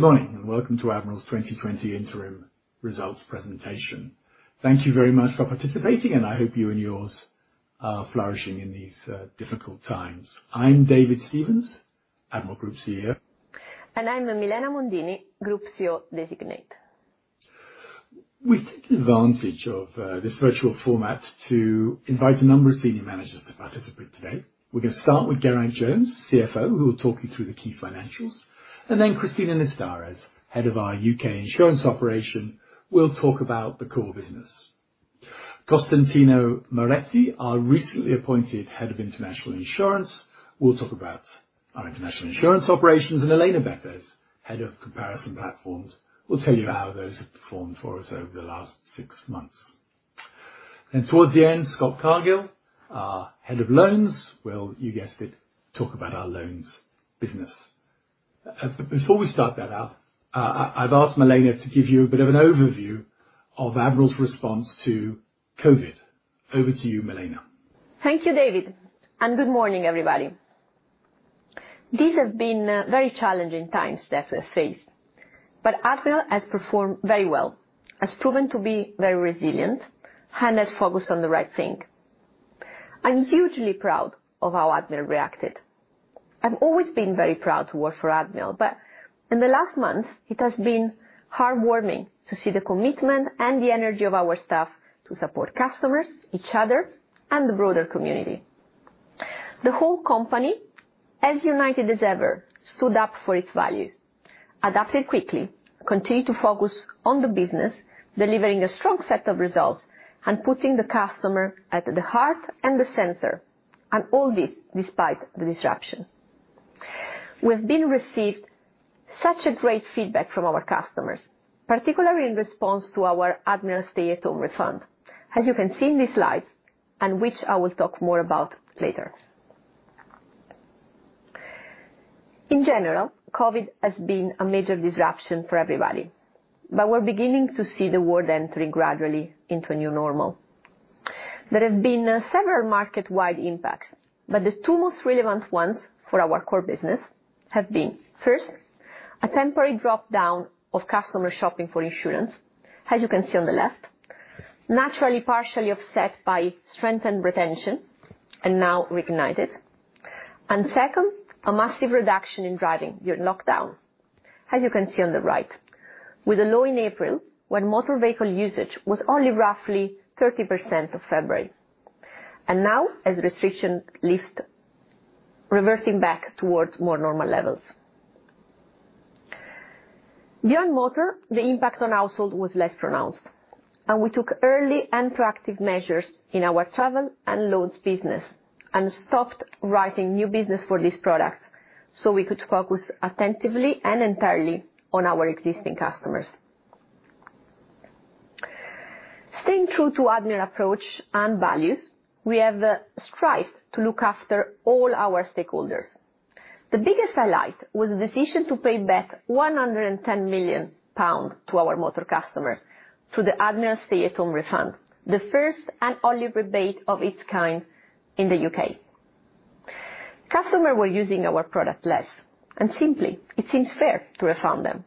Good morning, and welcome to Admiral's 2020 interim results presentation. Thank you very much for participating, and I hope you and yours are flourishing in these difficult times. I'm David Stevens, Admiral Group CEO. I'm Milena Mondini, Group CEO Designate. We take advantage of this virtual format to invite a number of senior managers to participate today. We're gonna start with Geraint Jones, CFO, who will talk you through the key financials. Then Cristina Nestares, Head of our U.K. Insurance Operation, will talk about the core business. Costantino Moretti, our recently appointed Head of International Insurance, will talk about our international insurance operations. And Elena Betés, Head of Comparison Platforms, will tell you how those have performed for us over the last six months. And towards the end, Scott Cargill, our Head of Loans, will, you guessed it, talk about our loans business. But before we start that out, I've asked Milena to give you a bit of an overview of Admiral's response to COVID. Over to you, Milena. Thank you, David, and good morning, everybody. These have been, very challenging times that we face, but Admiral has performed very well, has proven to be very resilient, and has focused on the right thing. I'm hugely proud of how Admiral reacted. I've always been very proud to work for Admiral, but in the last month, it has been heartwarming to see the commitment and the energy of our staff to support customers, each other, and the broader community. The whole company, as united as ever, stood up for its values, adapted quickly, continued to focus on the business, delivering a strong set of results, and putting the customer at the heart and the center, and all this despite the disruption. We've been received such a great feedback from our customers, particularly in response to our Admiral Stay at Home Refund, as you can see in this slide, and which I will talk more about later. In general, COVID has been a major disruption for everybody, but we're beginning to see the world entering gradually into a new normal. There have been, several market-wide impacts, but the two most relevant ones for our core business have been, first, a temporary drop-down of customer shopping for insurance, as you can see on the left. Naturally, partially offset by strength and retention, and now reignited. And second, a massive reduction in driving during lockdown, as you can see on the right, with a low in April, when motor vehicle usage was only roughly 30% of February. And now, as restriction lift, reversing back towards more normal levels. Beyond motor, the impact on household was less pronounced, and we took early and proactive measures in our travel and loans business, and stopped writing new business for these products, so we could focus attentively and entirely on our existing customers. Staying true to Admiral's approach and values, we have strived to look after all our stakeholders. The biggest highlight was the decision to pay back 110 million pounds to our motor customers through the Admiral Stay at Home Refund, the first and only rebate of its kind in the U.K. Customers were using our products less, and simply, it seems fair to refund them.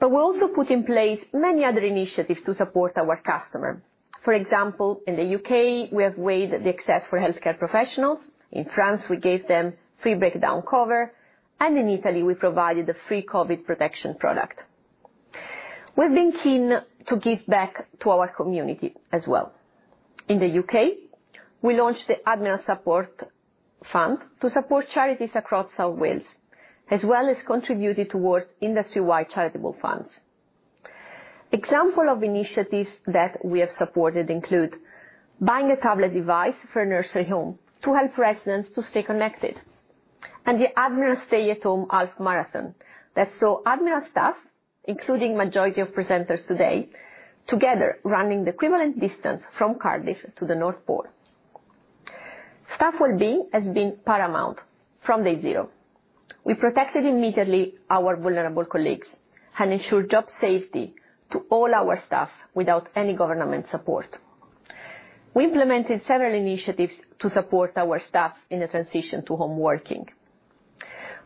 But we also put in place many other initiatives to support our customers. For example, in the U.K., we have waived the excess for healthcare professionals. In France, we gave them free breakdown cover, and in Italy, we provided a free COVID protection product. We've been keen to give back to our community as well. In the U.K., we launched the Admiral Support Fund to support charities across South Wales, as well as contributed towards industry-wide charitable funds. Example of initiatives that we have supported include: buying a tablet device for a nursing home to help residents to stay connected, and the Admiral Stay at Home Half Marathon, that saw Admiral staff, including majority of presenters today, together, running the equivalent distance from Cardiff to the North Pole. Staff wellbeing has been paramount from day zero. We protected immediately our vulnerable colleagues and ensured job safety to all our staff without any government support. We implemented several initiatives to support our staff in the transition to home working.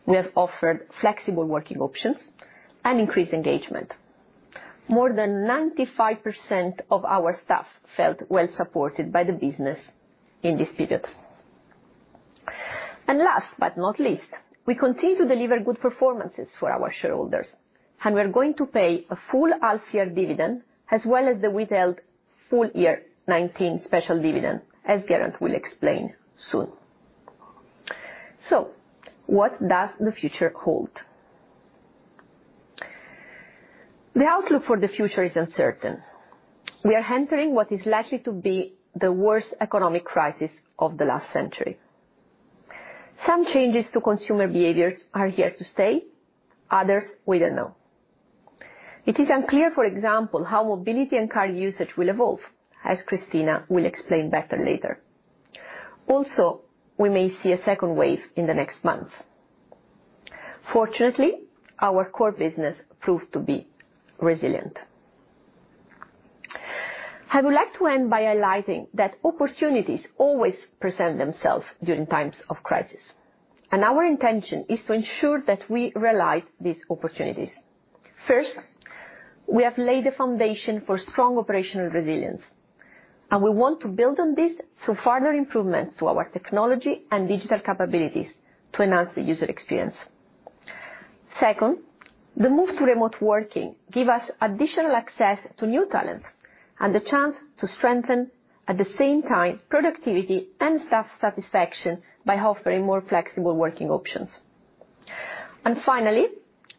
We have offered flexible working options and increased engagement. More than 95% of our staff felt well supported by the business in this period. Last but not least, we continue to deliver good performances for our shareholders, and we're going to pay a full half year dividend, as well as the withheld full year 2019 special dividend, as Geraint will explain soon. So what does the future hold? The outlook for the future is uncertain. We are entering what is likely to be the worst economic crisis of the last century. Some changes to consumer behaviors are here to stay, others, we don't know. It is unclear, for example, how mobility and car usage will evolve, as Cristina will explain better later. Also, we may see a second wave in the next months. Fortunately, our core business proved to be resilient. I would like to end by highlighting that opportunities always present themselves during times of crisis, and our intention is to ensure that we realize these opportunities. First, we have laid the foundation for strong operational resilience, and we want to build on this through further improvements to our technology and digital capabilities to enhance the user experience. Second, the move to remote working give us additional access to new talent and the chance to strengthen, at the same time, productivity and staff satisfaction by offering more flexible working options. And finally,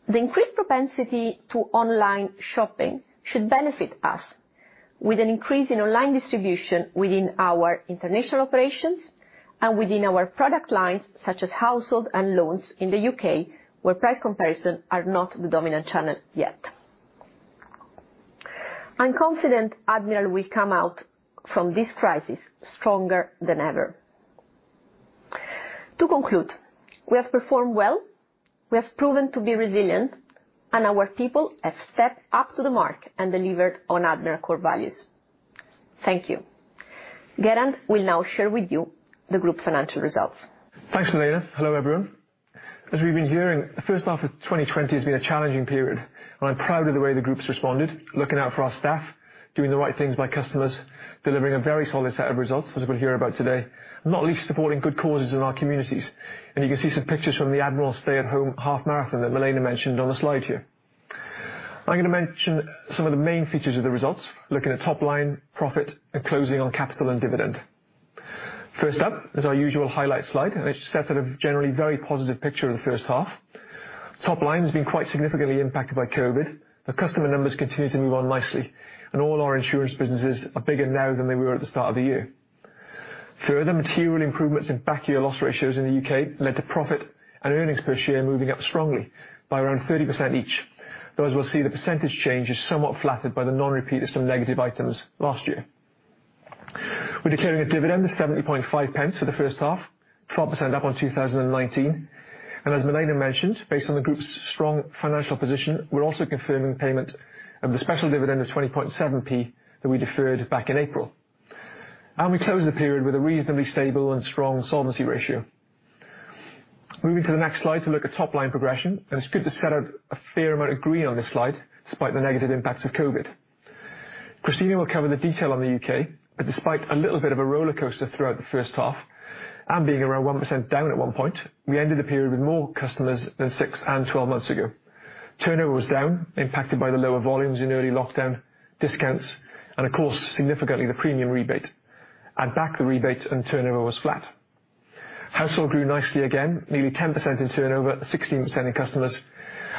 the increased propensity to online shopping should benefit us with an increase in online distribution within our international operations and within our product lines, such as household and loans in the U.K., where price comparison are not the dominant channel yet. I'm confident Admiral will come out from this crisis stronger than ever. To conclude, we have performed well, we have proven to be resilient, and our people have stepped up to the mark and delivered on Admiral core values. Thank you. Geraint will now share with you the group's financial results. Thanks, Milena. Hello, everyone. As we've been hearing, the first half of 2020 has been a challenging period, and I'm proud of the way the group's responded, looking out for our staff, doing the right things by customers, delivering a very solid set of results, as we'll hear about today, not least, supporting good causes in our communities. You can see some pictures from the Admiral Stay at Home Half Marathon that Milena mentioned on the slide here. I'm going to mention some of the main features of the results, looking at top line, profit, and closing on capital and dividend. First up is our usual highlight slide, and it sets out a generally very positive picture of the first half. Top line has been quite significantly impacted by COVID. The customer numbers continue to move on nicely, and all our insurance businesses are bigger now than they were at the start of the year. Further material improvements in back year loss ratios in the U.K. led to profit and earnings per share moving up strongly by around 30% each, though as we'll see, the percentage change is somewhat flattered by the non-repeat of some negative items last year. We're declaring a dividend of 70.5 pence for the first half, 12% up on 2019, and as Milena mentioned, based on the group's strong financial position, we're also confirming payment of the special dividend of 20.7p that we deferred back in April. We close the period with a reasonably stable and strong solvency ratio. Moving to the next slide to look at top line progression, and it's good to set out a fair amount of green on this slide despite the negative impacts of COVID. Cristina will cover the detail on the U.K., but despite a little bit of a rollercoaster throughout the first half and being around 1% down at one point, we ended the period with more customers than six and twelve months ago. Turnover was down, impacted by the lower volumes in early lockdown, discounts, and, of course, significantly, the premium rebate. Add back the rebates, and turnover was flat. Household grew nicely again, nearly 10% in turnover, 16% in customers,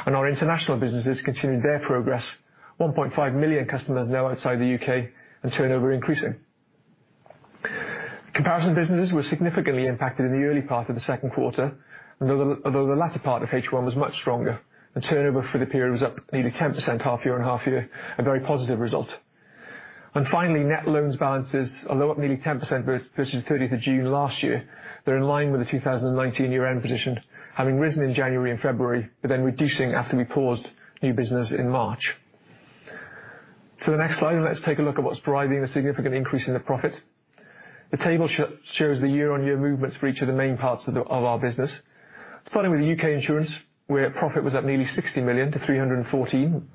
and our international businesses continued their progress. 1.5 million customers now outside the U.K. and turnover increasing. Comparison businesses were significantly impacted in the early part of the second quarter, although the latter part of H1 was much stronger, and turnover for the period was up nearly 10% half year on half year, a very positive result. And finally, net loans balances are up nearly 10% versus 30th of June last year. They're in line with the 2019 year-end position, having risen in January and February, but then reducing after we paused new business in March. To the next slide, and let's take a look at what's driving the significant increase in the profit. The table shows the year-on-year movements for each of the main parts of our business. Starting with the U.K. Insurance, where profit was up nearly 60 million to 314 million.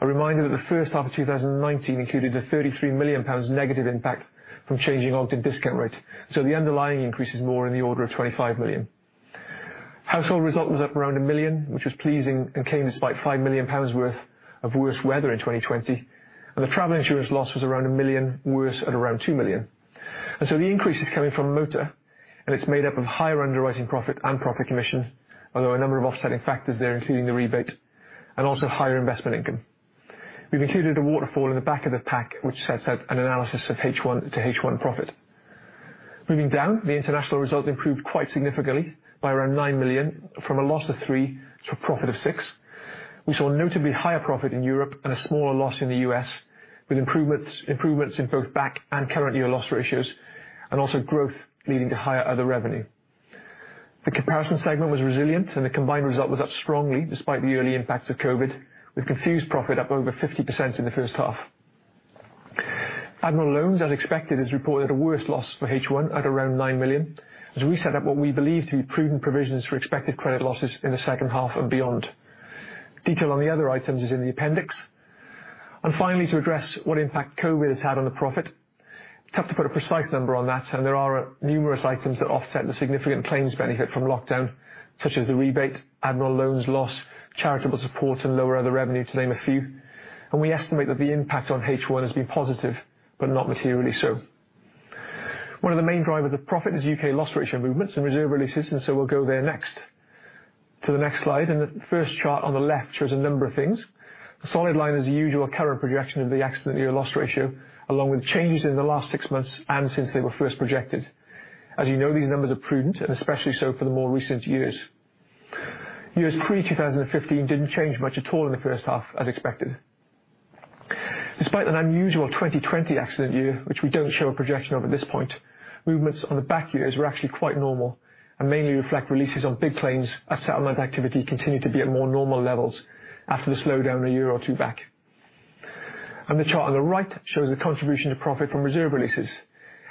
A reminder that the first half of 2019 included a 33 million pounds negative impact from changing Ogden discount rate, so the underlying increase is more in the order of 25 million. Household result was up around 1 million, which was pleasing and came despite 5 million pounds worth of worse weather in 2020, and the travel insurance loss was around 1 million, worse at around 2 million. And so the increase is coming from motor, and it's made up of higher underwriting profit and profit commission, although a number of offsetting factors there, including the rebate and also higher investment income. We've included a waterfall in the back of the pack, which sets out an analysis of H1 to H1 profit. Moving down, the international result improved quite significantly by around 9 million, from a loss of 3 million to a profit of 6 million. We saw notably higher profit in Europe and a smaller loss in the U.S., with improvements in both back and current year loss ratios, and also growth leading to higher other revenue. The comparison segment was resilient, and the combined result was up strongly, despite the early impacts of COVID, with Confused.com profit up over 50% in the first half. Admiral Loans, as expected, has reported a worse loss for H1 at around 9 million, as we set up what we believe to be prudent provisions for expected credit losses in the second half and beyond. Detail on the other items is in the appendix. Finally, to address what impact COVID has had on the profit. Tough to put a precise number on that, and there are numerous items that offset the significant claims benefit from lockdown, such as the rebate, Admiral Loans loss, charitable support, and lower other revenue, to name a few. We estimate that the impact on H1 has been positive, but not materially so. One of the main drivers of profit is U.K. loss ratio movements and reserve releases, and so we'll go there next. To the next slide, and the first chart on the left shows a number of things. The solid line is the usual current projection of the accident year loss ratio, along with changes in the last six months and since they were first projected. As you know, these numbers are prudent, and especially so for the more recent years. Years pre-2015 didn't change much at all in the first half, as expected. Despite an unusual 2020 accident year, which we don't show a projection of at this point, movements on the back years were actually quite normal and mainly reflect releases on big claims, as settlement activity continued to be at more normal levels after the slowdown a year or two back. The chart on the right shows the contribution to profit from reserve releases.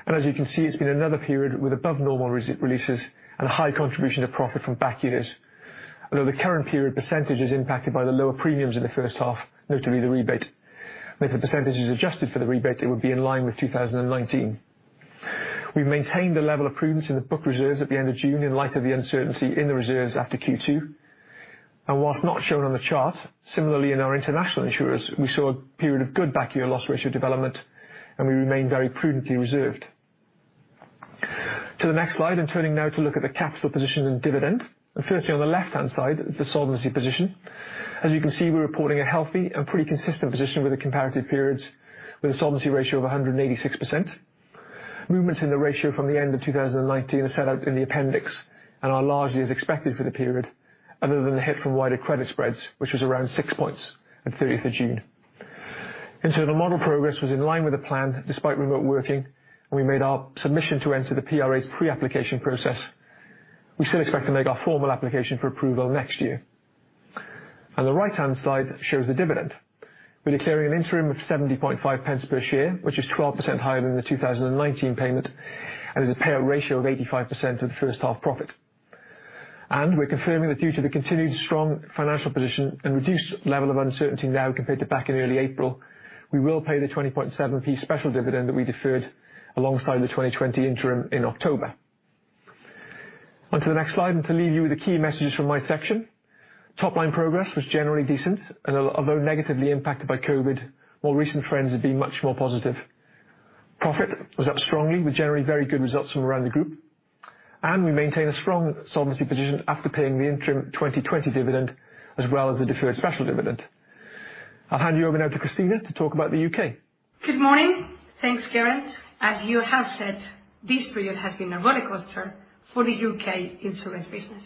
As you can see, it's been another period with above normal reserve releases and a high contribution to profit from back years. Although the current period percentage is impacted by the lower premiums in the first half, notably the rebate. If the percentage is adjusted for the rebate, it would be in line with 2019. We've maintained a level of prudence in the book reserves at the end of June in light of the uncertainty in the reserves after Q2. While not shown on the chart, similarly, in our international insurers, we saw a period of good back year loss ratio development, and we remain very prudently reserved. To the next slide, and turning now to look at the capital position and dividend. First, on the left-hand side, the solvency position. As you can see, we're reporting a healthy and pretty consistent position with the comparative periods, with a solvency ratio of 186%. Movements in the ratio from the end of 2019 are set out in the appendix, and are largely as expected for the period, other than the hit from wider credit spreads, which was around six points at thirtieth of June. Internal model progress was in line with the plan despite remote working, and we made our submission to enter the PRA's pre-application process. We still expect to make our formal application for approval next year. On the right-hand side shows the dividend. We're declaring an interim of 70.5 pence per share, which is 12% higher than the 2019 payment, and is a payout ratio of 85% of the first half profit. And we're confirming that due to the continued strong financial position and reduced level of uncertainty now, compared to back in early April, we will pay the 20.7p special dividend that we deferred alongside the 2020 interim in October. Onto the next slide, and to leave you with the key messages from my section. Top line progress was generally decent, and although negatively impacted by COVID, more recent trends have been much more positive. Profit was up strongly with generally very good results from around the group, and we maintain a strong solvency position after paying the interim 2020 dividend, as well as the deferred special dividend. I'll hand you over now to Cristina to talk about the U.K. Good morning. Thanks, Geraint. As you have said, this period has been a rollercoaster for the U.K. insurance business.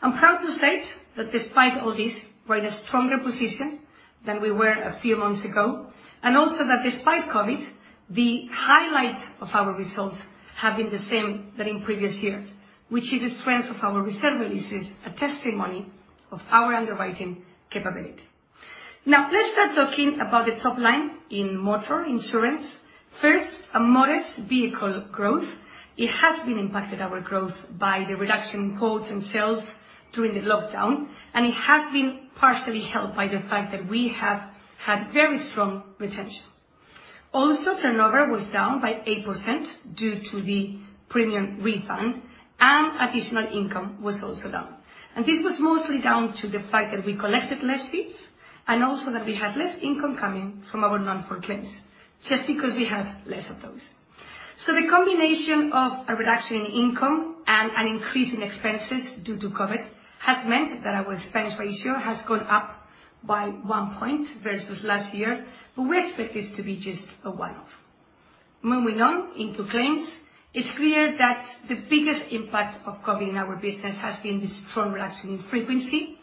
I'm proud to state that despite all this, we're in a stronger position than we were a few months ago, and also that despite COVID, the highlights of our results have been the same than in previous years, which is the strength of our reserve releases, a testimony of our underwriting capability. Now, let's start talking about the top line in motor insurance. First, a modest vehicle growth. It has been impacted, our growth, by the reduction in quotes and sales during the lockdown, and it has been partially helped by the fact that we have had very strong retention. Also, turnover was down by 8% due to the premium refund, and additional income was also down. This was mostly down to the fact that we collected less fees, and also that we had less income coming from our non-fault claims, just because we had less of those. So the combination of a reduction in income and an increase in expenses due to COVID has meant that our expense ratio has gone up by 1 point versus last year, but we expect this to be just a one-off. Moving on into claims, it's clear that the biggest impact of COVID in our business has been the strong reduction in frequency.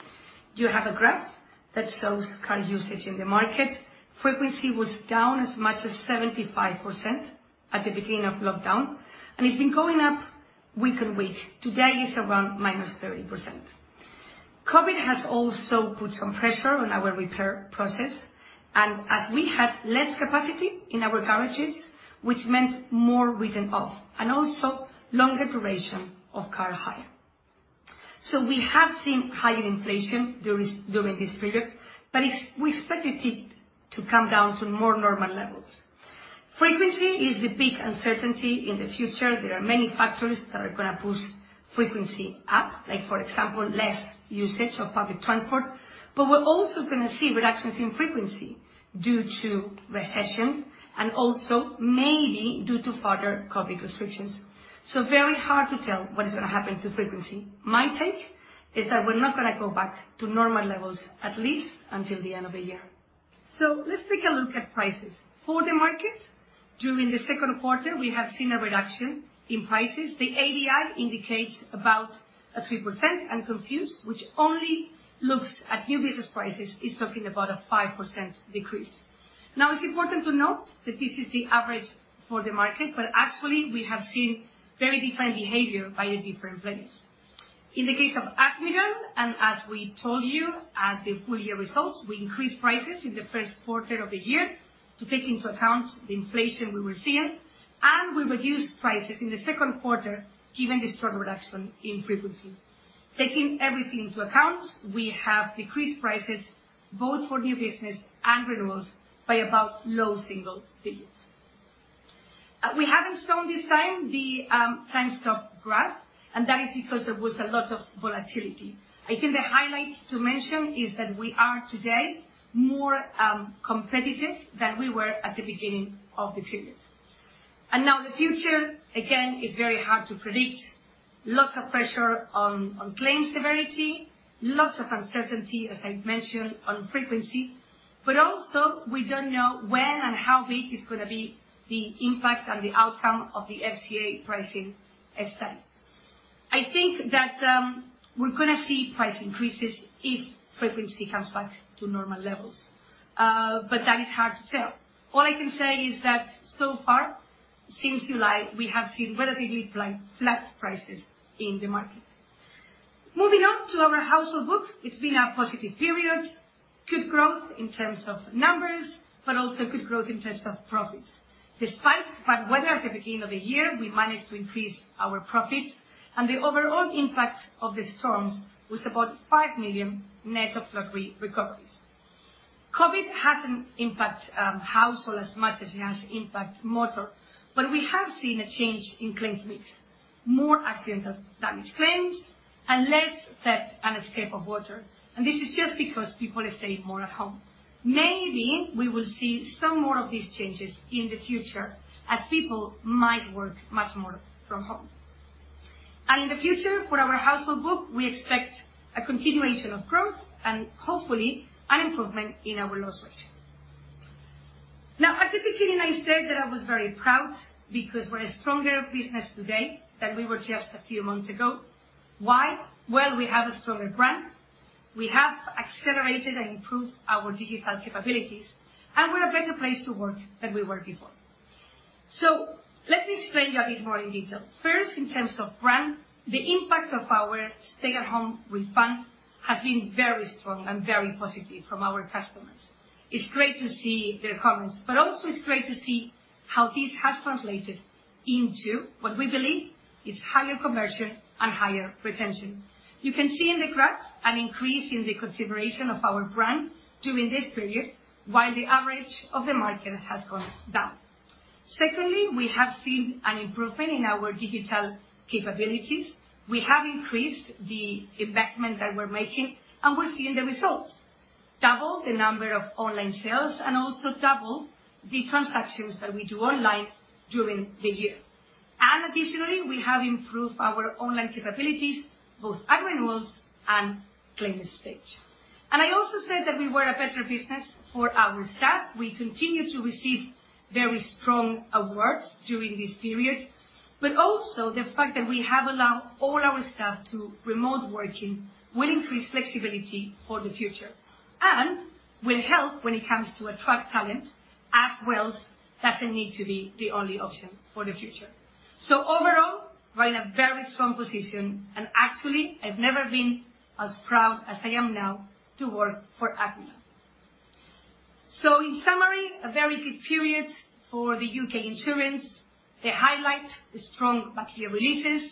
You have a graph that shows car usage in the market. Frequency was down as much as 75% at the beginning of lockdown, and it's been going up week on week. Today, it's around -30%. COVID has also put some pressure on our repair process, and as we had less capacity in our garages, which meant more written off and also longer duration of car hire. So we have seen higher inflation during this period, but it's we expect it to come down to more normal levels. Frequency is the big uncertainty in the future. There are many factors that are gonna push frequency up, like, for example, less usage of public transport. But we're also gonna see reductions in frequency due to recession, and also maybe due to further COVID restrictions. So very hard to tell what is gonna happen to frequency. My take is that we're not gonna go back to normal levels, at least until the end of the year. So let's take a look at prices. For the market, during the second quarter, we have seen a reduction in prices. The ABI indicates about a 3% and Confused, which only looks at new business prices, is talking about a 5% decrease. Now, it's important to note that this is the average for the market, but actually we have seen very different behavior by the different vendors. In the case of Admiral, and as we told you at the full year results, we increased prices in the first quarter of the year to take into account the inflation we were seeing, and we reduced prices in the second quarter, given the strong reduction in frequency. Taking everything into account, we have decreased prices both for new business and renewals by about low single digits. We haven't shown this time the Price Stats graph, and that is because there was a lot of volatility. I think the highlight to mention is that we are today more competitive than we were at the beginning of the period. Now the future, again, is very hard to predict. Lots of pressure on claim severity, lots of uncertainty, as I mentioned, on frequency, but also we don't know when and how big it's gonna be, the impact and the outcome of the FCA pricing study. I think that we're gonna see price increases if frequency comes back to normal levels, but that is hard to tell. All I can say is that so far, since July, we have seen relatively flat prices in the market. Moving on to our household book, it's been a positive period. Good growth in terms of numbers, but also good growth in terms of profits. Despite bad weather at the beginning of the year, we managed to increase our profits, and the overall impact of the storm was about 5 million net of flood re-recoveries. COVID hasn't impact household as much as it has impact motor, but we have seen a change in claims mix. More accidental damage claims and less theft and escape of water, and this is just because people are staying more at home. Maybe we will see some more of these changes in the future as people might work much more from home. In the future, for our household book, we expect a continuation of growth and hopefully an improvement in our loss ratio. Now, at the beginning, I said that I was very proud because we're a stronger business today than we were just a few months ago. Why? Well, we have a stronger brand. We have accelerated and improved our digital capabilities, and we're a better place to work than we were before. So let me explain you a bit more in detail. First, in terms of brand, the impact of our stay at home refund has been very strong and very positive from our customers. It's great to see their comments, but also it's great to see how this has translated into what we believe is higher conversion and higher retention. You can see in the graph an increase in the consideration of our brand during this period, while the average of the market has gone down. Secondly, we have seen an improvement in our digital capabilities. We have increased the investment that we're making, and we're seeing the results. Double the number of online sales, and also double the transactions that we do online during the year. Additionally, we have improved our online capabilities, both at renewals and claims stage. I also said that we were a better business for our staff. We continue to receive very strong awards during this period, but also the fact that we have allowed all our staff to remote working, will increase flexibility for the future and will help when it comes to attract talent, as well as doesn't need to be the only option for the future. So overall, we're in a very strong position, and actually, I've never been as proud as I am now to work for Admiral. So in summary, a very good period for the U.K. insurance. The highlight, the strong material releases,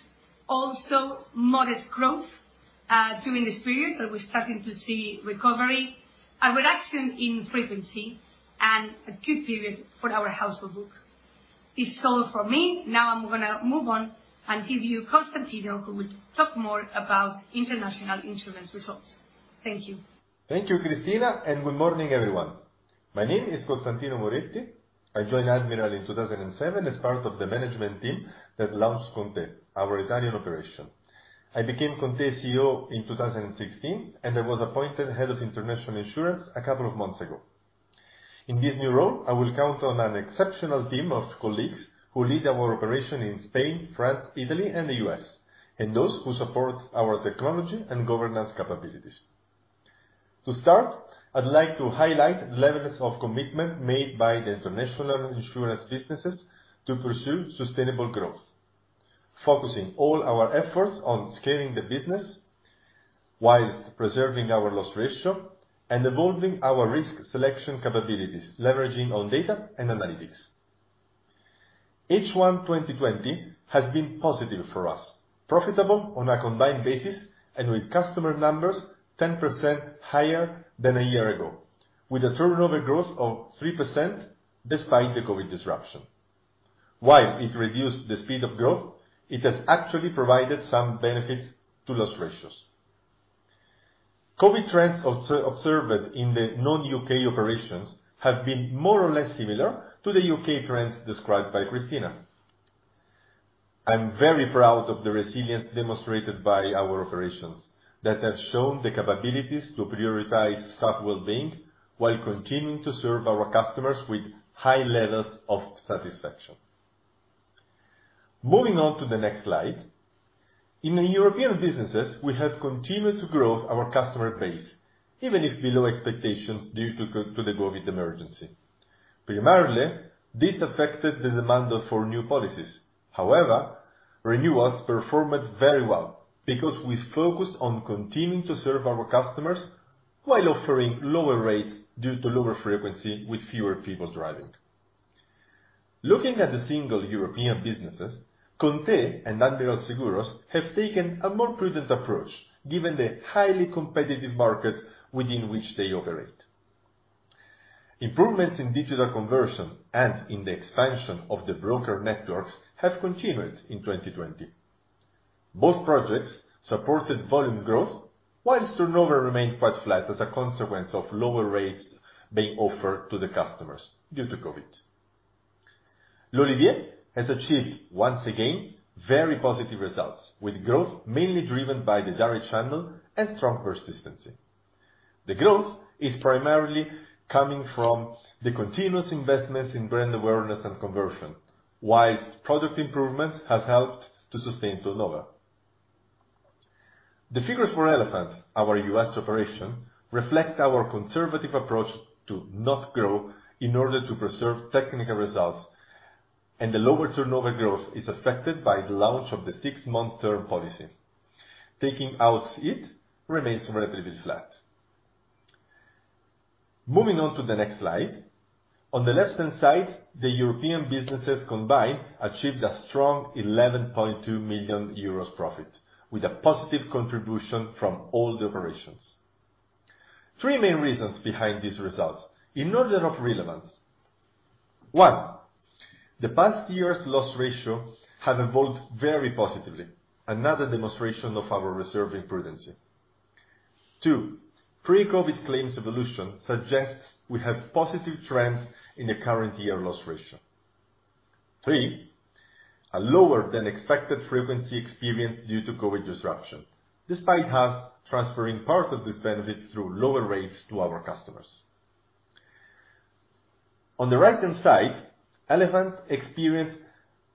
also modest growth, during this period, but we're starting to see recovery, a reduction in frequency, and a good period for our household book. It's all for me. Now, I'm gonna move on and give you Costantino, who will talk more about international insurance results. Thank you. Thank you, Cristina, and good morning, everyone. My name is Costantino Moretti. I joined Admiral in 2007 as part of the management team that launched ConTe, our Italian operation. I became ConTe CEO in 2016, and I was appointed Head of International Insurance a couple of months ago. In this new role, I will count on an exceptional team of colleagues who lead our operation in Spain, France, Italy, and the U.S., and those who support our technology and governance capabilities. To start, I'd like to highlight levels of commitment made by the international insurance businesses to pursue sustainable growth, focusing all our efforts on scaling the business whilst preserving our loss ratio and evolving our risk selection capabilities, leveraging on data and analytics. H1 2020 has been positive for us, profitable on a combined basis and with customer numbers 10% higher than a year ago, with a turnover growth of 3% despite the COVID disruption. While it reduced the speed of growth, it has actually provided some benefit to loss ratios. COVID trends observed in the non-U.K. operations have been more or less similar to the U.K. trends described by Cristina. I'm very proud of the resilience demonstrated by our operations that have shown the capabilities to prioritize staff well-being while continuing to serve our customers with high levels of satisfaction. Moving on to the next slide. In the European businesses, we have continued to grow our customer base, even if below expectations due to the COVID emergency. Primarily, this affected the demand for new policies. However, renewals performed very well because we focused on continuing to serve our customers while offering lower rates due to lower frequency with fewer people driving. Looking at the single European businesses, ConTe and Admiral Seguros have taken a more prudent approach, given the highly competitive markets within which they operate. Improvements in digital conversion and in the expansion of the broker networks have continued in 2020. Both projects supported volume growth, while turnover remained quite flat as a consequence of lower rates being offered to the customers due to COVID. L'olivier has achieved, once again, very positive results, with growth mainly driven by the direct channel and strong persistency. The growth is primarily coming from the continuous investments in brand awareness and conversion, whilst product improvements has helped to sustain turnover. The figures for Elephant, our U.S. operation, reflect our conservative approach to not grow in order to preserve technical results and the lower turnover growth is affected by the launch of the six-month term policy. Taking out, it remains relatively flat. Moving on to the next slide. On the left-hand side, the European businesses combined achieved a strong 11.2 million euros profit, with a positive contribution from all the operations. Three main reasons behind this result, in order of relevance: One, the past year's loss ratio have evolved very positively, another demonstration of our reserving prudency. Two, pre-COVID claims evolution suggests we have positive trends in the current year loss ratio. Three, a lower than expected frequency experience due to COVID disruption, despite us transferring part of this benefit through lower rates to our customers. On the right-hand side, Elephant experienced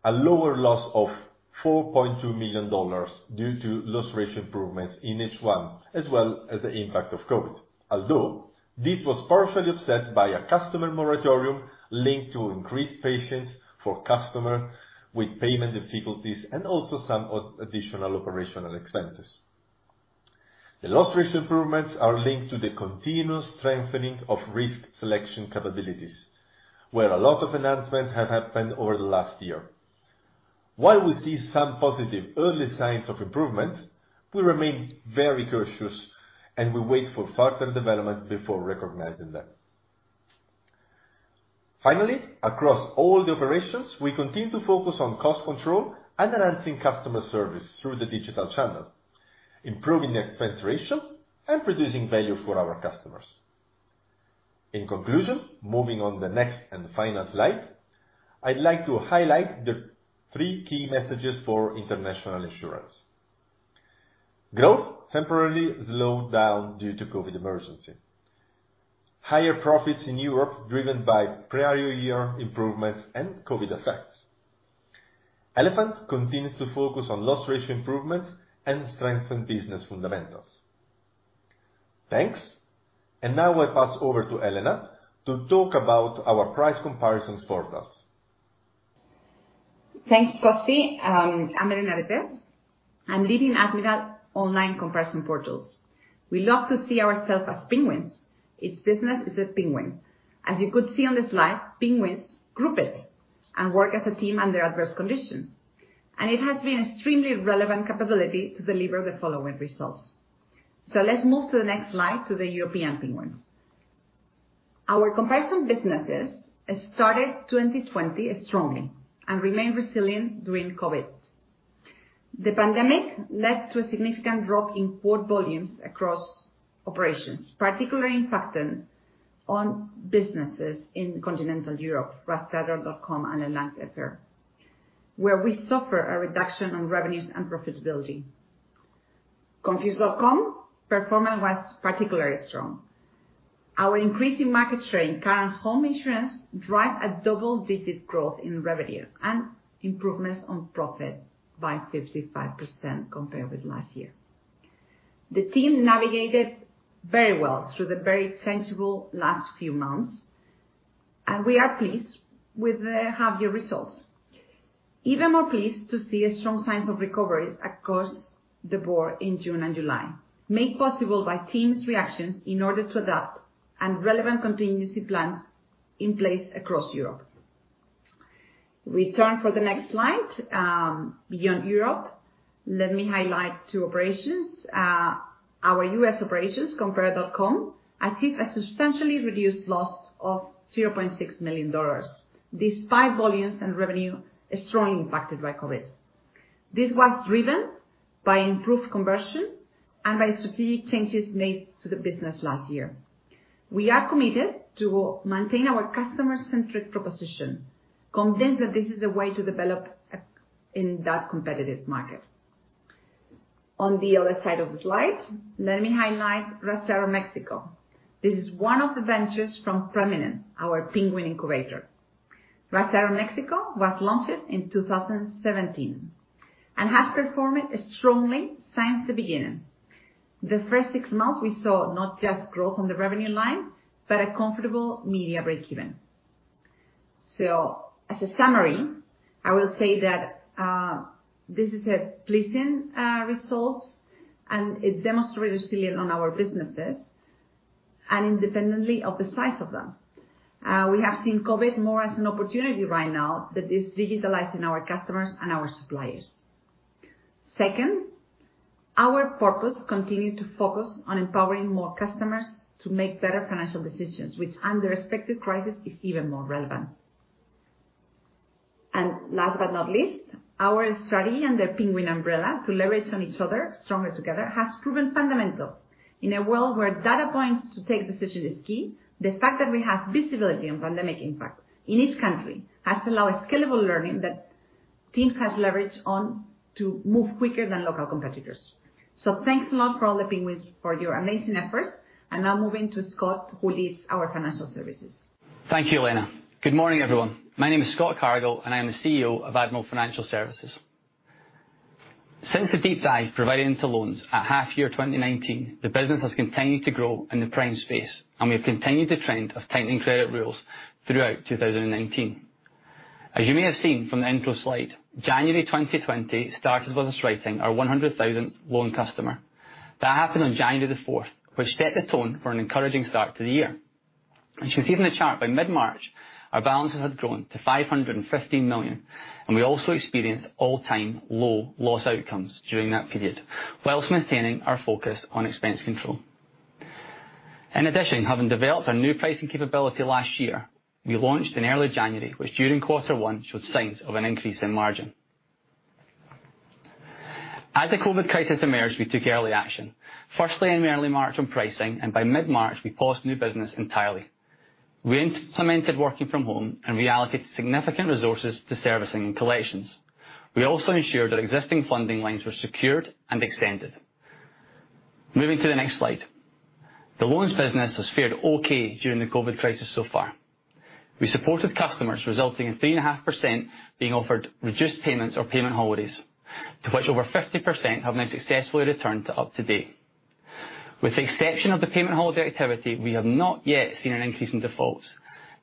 a lower loss of $4.2 million due to loss ratio improvements in H1, as well as the impact of COVID, although this was partially offset by a customer moratorium linked to increased payments for customers with payment difficulties and also some additional operational expenses. The loss ratio improvements are linked to the continuous strengthening of risk selection capabilities, where a lot of enhancements have happened over the last year. While we see some positive early signs of improvements, we remain very cautious, and we wait for further development before recognizing them. Finally, across all the operations, we continue to focus on cost control and enhancing customer service through the digital channel, improving the expense ratio, and producing value for our customers. In conclusion, moving on to the next and final slide, I'd like to highlight the three key messages for International Insurance. Growth temporarily slowed down due to COVID emergency. Higher profits in Europe, driven by prior year improvements and COVID effects. Elephant continues to focus on loss ratio improvements and strengthen business fundamentals. Thanks. And now I pass over to Elena to talk about our price comparison portals. Thanks, Costi. I'm Elena Betés. I'm leading Admiral Online Comparison Portals. We love to see ourselves as penguins. Its business is a penguin. As you could see on the slide, penguins group it, and work as a team under adverse condition, and it has been extremely relevant capability to deliver the following results. So let's move to the next slide, to the European penguins. Our comparison businesses started 2020 strongly and remained resilient during COVID. The pandemic led to a significant drop in quote volumes across operations, particularly impacting on businesses in continental Europe, rastreator.com and LeLynx.fr, where we suffer a reduction on revenues and profitability. Confused.com performance was particularly strong. Our increasing market share in current home insurance drive a double-digit growth in revenue and improvements on profit by 55% compared with last year. The team navigated very well through the very changeable last few months, and we are pleased with the half-year results. Even more pleased to see a strong signs of recovery across the board in June and July, made possible by teams' reactions in order to adapt and relevant contingency plan in place across Europe. We turn for the next slide, beyond Europe. Let me highlight two operations. Our U.S. operations, compare.com, achieved a substantially reduced loss of $0.6 million, despite volumes and revenue is strongly impacted by COVID. This was driven by improved conversion and by strategic changes made to the business last year. We are committed to maintain our customer-centric proposition, convinced that this is the way to develop a, in that competitive market. On the other side of the slide, let me highlight Rastreator Mexico. This is one of the ventures from Preminen, our penguin incubator. Rastreator.mx was launched in 2017, and has performed strongly since the beginning. The first six months, we saw not just growth on the revenue line, but a comfortable media breakeven. So as a summary, I will say that, this is a pleasing, results, and it demonstrates resilience on our businesses, and independently of the size of them. We have seen COVID more as an opportunity right now than this digitalizing our customers and our suppliers. Second, our purpose continue to focus on empowering more customers to make better financial decisions, which under expected crisis, is even more relevant. And last but not least, our strategy and the penguin umbrella to leverage on each other, stronger together, has proven fundamental. In a world where data points to take decision is key, the fact that we have visibility on pandemic impact in each country has allowed a scalable learning that teams has leveraged on to move quicker than local competitors. So thanks a lot for all the penguins for your amazing efforts. Now moving to Scott, who leads our financial services. Thank you, Elena. Good morning, everyone. My name is Scott Cargill, and I am the CEO of Admiral Financial Services. Since the deep dive providing to loans at half year 2019, the business has continued to grow in the prime space, and we have continued the trend of tightening credit rules throughout 2019. As you may have seen from the intro slide, January 2020 started with us writing our 100,000th loan customer. That happened on January 4, which set the tone for an encouraging start to the year. As you see in the chart, by mid-March, our balances had grown to 515 million, and we also experienced all-time low loss outcomes during that period, while maintaining our focus on expense control. In addition, having developed our new pricing capability last year, we launched in early January, which during quarter one showed signs of an increase in margin. As the COVID crisis emerged, we took early action. Firstly, in early March on pricing, and by mid-March, we paused new business entirely. We implemented working from home and reallocated significant resources to servicing and collections. We also ensured that existing funding lines were secured and extended. Moving to the next slide. The loans business has fared okay during the COVID crisis so far. We supported customers, resulting in 3.5% being offered reduced payments or payment holidays, to which over 50% have now successfully returned to up to date. With the exception of the payment holiday activity, we have not yet seen an increase in defaults.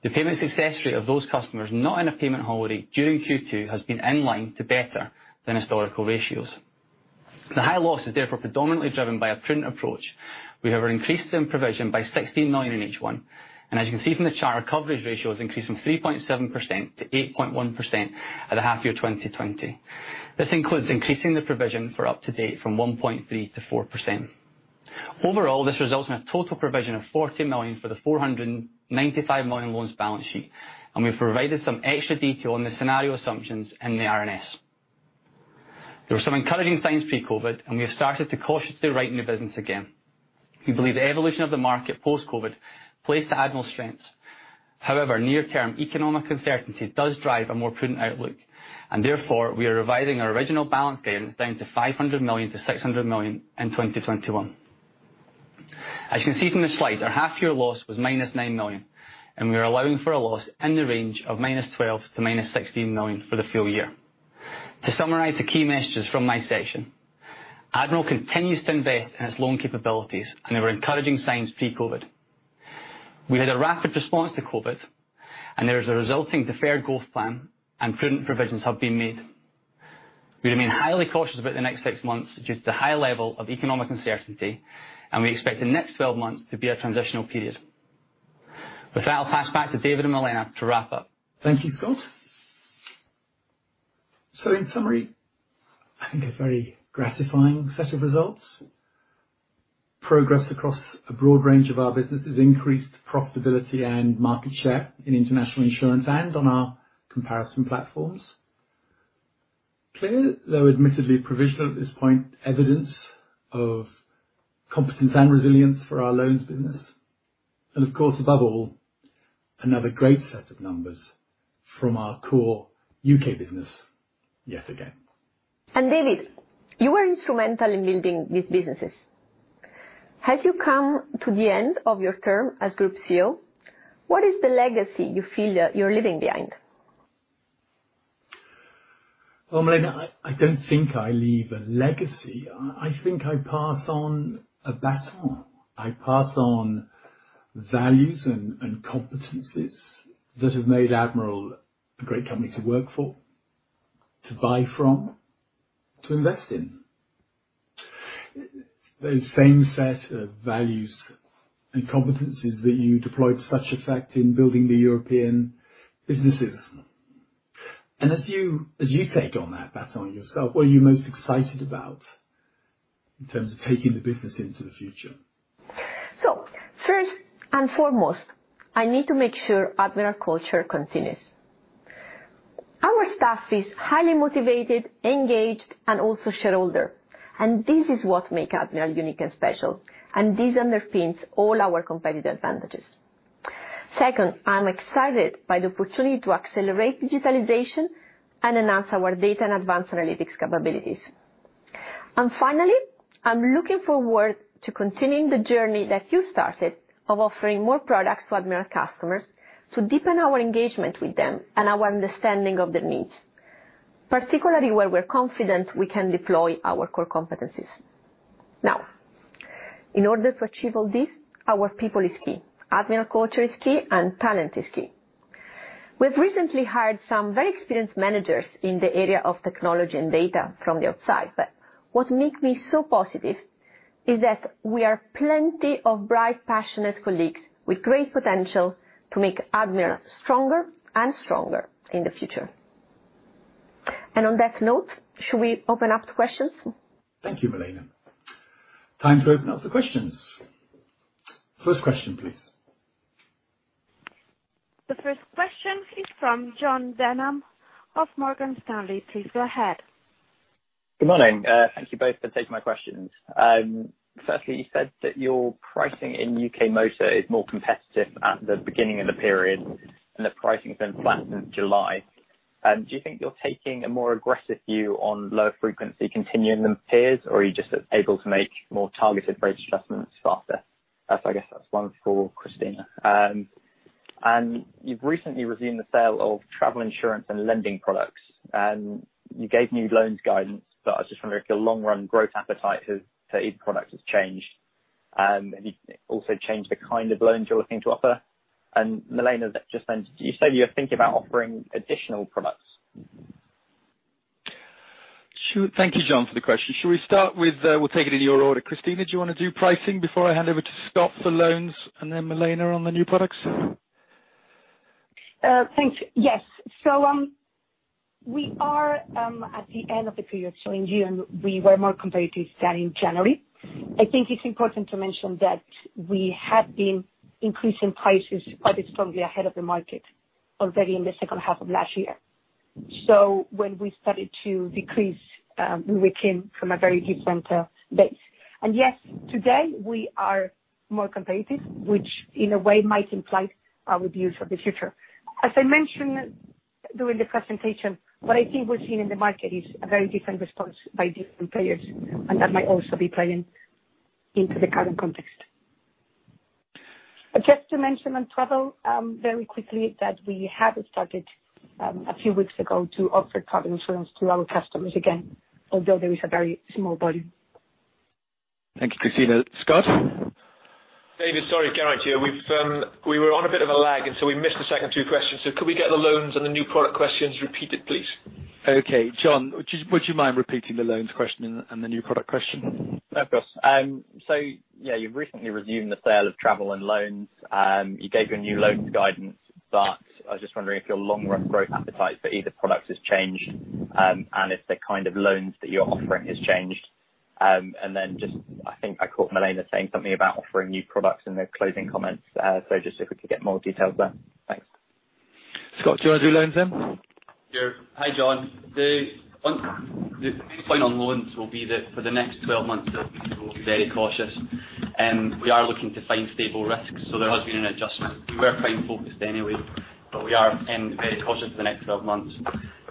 The payment success rate of those customers not in a payment holiday during Q2 has been in line to better than historical ratios. The high loss is therefore predominantly driven by a prudent approach. We have increased the provision by 16 million in H1, and as you can see from the chart, our coverage ratio has increased from 3.7% to 8.1% at the half year 2020. This includes increasing the provision for up to date from 1.3% to 4%. Overall, this results in a total provision of 40 million for the 495 million loans balance sheet, and we've provided some extra detail on the scenario assumptions in the RNS. There were some encouraging signs pre-COVID, and we have started to cautiously write new business again. We believe the evolution of the market post-COVID plays to Admiral's strengths. However, near-term economic uncertainty does drive a more prudent outlook, and therefore, we are revising our original balance guidance down to 500 million-600 million in 2021. As you can see from the slide, our half year loss was -9 million, and we are allowing for a loss in the range of -12 million to -16 million for the full year. To summarize the key messages from my section, Admiral continues to invest in its loan capabilities, and there were encouraging signs pre-COVID. We had a rapid response to COVID, and there is a resulting deferred growth plan, and prudent provisions have been made. We remain highly cautious about the next six months due to the high level of economic uncertainty, and we expect the next twelve months to be a transitional period. With that, I'll pass back to David and Milena to wrap up. Thank you, Scott. So in summary, I think a very gratifying set of results. Progress across a broad range of our businesses, increased profitability and market share in international insurance and on our comparison platforms. Clear, though admittedly provisional at this point, evidence of competence and resilience for our loans business, and of course, above all, another great set of numbers from our core U.K. business, yet again. David, you were instrumental in building these businesses. As you come to the end of your term as Group CEO, what is the legacy you feel you're leaving behind? Well, Milena, I don't think I leave a legacy. I think I pass on a baton. I pass on values and competencies that have made Admiral a great company to work for, to buy from, to invest in. Those same set of values and competencies that you deployed to such effect in building the European businesses. As you take on that baton yourself, what are you most excited about in terms of taking the business into the future? So first and foremost, I need to make sure Admiral culture continues. Our staff is highly motivated, engaged, and also shareholder, and this is what make Admiral unique and special, and this underpins all our competitive advantages. Second, I'm excited by the opportunity to accelerate digitalization and enhance our data and advanced analytics capabilities. And finally, I'm looking forward to continuing the journey that you started, of offering more products to Admiral customers, to deepen our engagement with them and our understanding of their needs, particularly where we're confident we can deploy our core competencies. Now, in order to achieve all this, our people is key. Admiral culture is key, and talent is key. We've recently hired some very experienced managers in the area of technology and data from the outside, but what makes me so positive is that we are plenty of bright, passionate colleagues with great potential to make Admiral stronger and stronger in the future. On that note, should we open up to questions? Thank you, Milena. Time to open up the questions. First question, please. The first question is from Jon Hocking of Morgan Stanley. Please go ahead. Good morning. Thank you both for taking my questions. Firstly, you said that your pricing in U.K. motor is more competitive at the beginning of the period, and the pricing's been flat since July. Do you think you're taking a more aggressive view on low frequency continuing than peers, or are you just able to make more targeted rate adjustments faster? That's, I guess, one for Cristina. You've recently resumed the sale of travel insurance and lending products, and you gave new loans guidance, but I was just wondering if your long run growth appetite has, to each product has changed, and you've also changed the kind of loans you're looking to offer? And Milena just then, you said you were thinking about offering additional products. Sure. Thank you, Jon, for the question. Shall we start with, we'll take it in your order. Cristina, do you wanna do pricing before I hand over to Scott for loans and then Milena on the new products? Thanks. Yes. So, we are at the end of the period, so in June, we were more competitive than in January. I think it's important to mention that we had been increasing prices quite strongly ahead of the market, already in the second half of last year. So when we started to decrease, we came from a very different base. And yes, today, we are more competitive, which in a way might imply our views for the future. As I mentioned during the presentation, what I think we're seeing in the market is a very different response by different players, and that might also be playing into the current context. But just to mention on travel, very quickly, that we have started a few weeks ago, to offer travel insurance to our customers again, although there is a very small volume. Thank you, Cristina. Scott? David, sorry, Garrett here. We've, we were on a bit of a lag, and so we missed the second two questions. Could we get the loans and the new product questions repeated, please? Okay, Jon, would you mind repeating the loans question and the new product question? Of course. So yeah, you've recently resumed the sale of travel and loans. You gave your new loans guidance, but I was just wondering if your long run growth appetite for either product has changed, and if the kind of loans that you're offering has changed. And then just I think I caught Milena saying something about offering new products in the closing comments. So just if we could get more details there. Thanks. Scott, do you want to do loans then? Sure. Hi, Jon. The on the main point on loans will be that for the next 12 months, that we will be very cautious. We are looking to find stable risks, so there has been an adjustment. We were quite focused anyway, but we are very cautious for the next 12 months.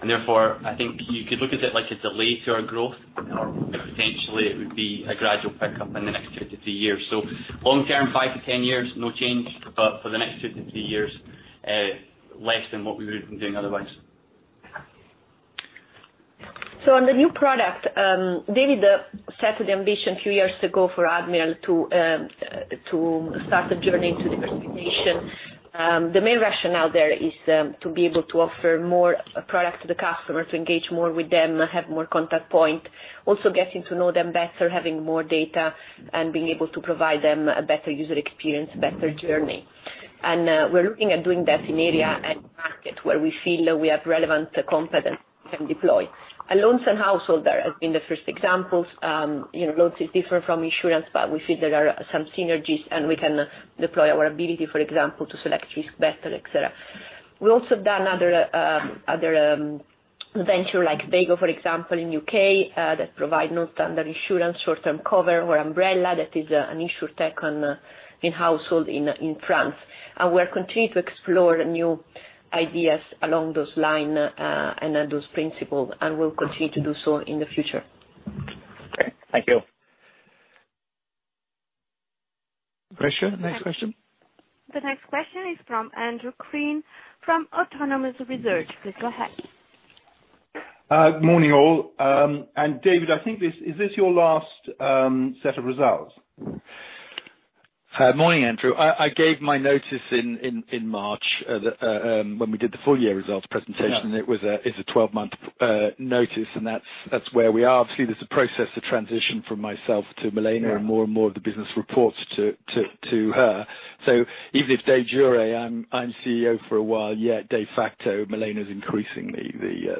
And therefore, I think you could look at it like a delay to our growth, or potentially it would be a gradual pickup in the next 2-3 years. So long term, 5-10 years, no change, but for the next 2-3 years, less than what we would have been doing otherwise. So on the new product, David set the ambition a few years ago for Admiral to start the journey to diversification. The main rationale there is to be able to offer more product to the customer, to engage more with them, have more contact point. Also, getting to know them better, having more data, and being able to provide them a better user experience, better journey. And, we're looking at doing that in area and market where we feel we have relevant competence can deploy. Loans and household there have been the first examples. You know, loans is different from insurance, but we feel there are some synergies, and we can deploy our ability, for example, to select risk better, et cetera. We've also done other venture like Veygo, for example, in U.K., that provide non-standard insurance, short-term cover, or Homebrella, that is an InsurTech in household in France. And we're continuing to explore new ideas along those lines, and those principles, and we'll continue to do so in the future. Great. Thank you. Rachel, next question? The next question is from Andrew Crean from Autonomous Research. Please go ahead. Good morning, all. And David, I think this, Is this your last set of results? Morning, Andrew. I gave my notice in March, when we did the full year results presentation- Yeah. It's a twelve-month notice, and that's where we are. Obviously, there's a process to transition from myself to Milena- Yeah. and more and more of the business reports to her. So even if de jure, I'm CEO for a while yet, de facto, Milena is increasingly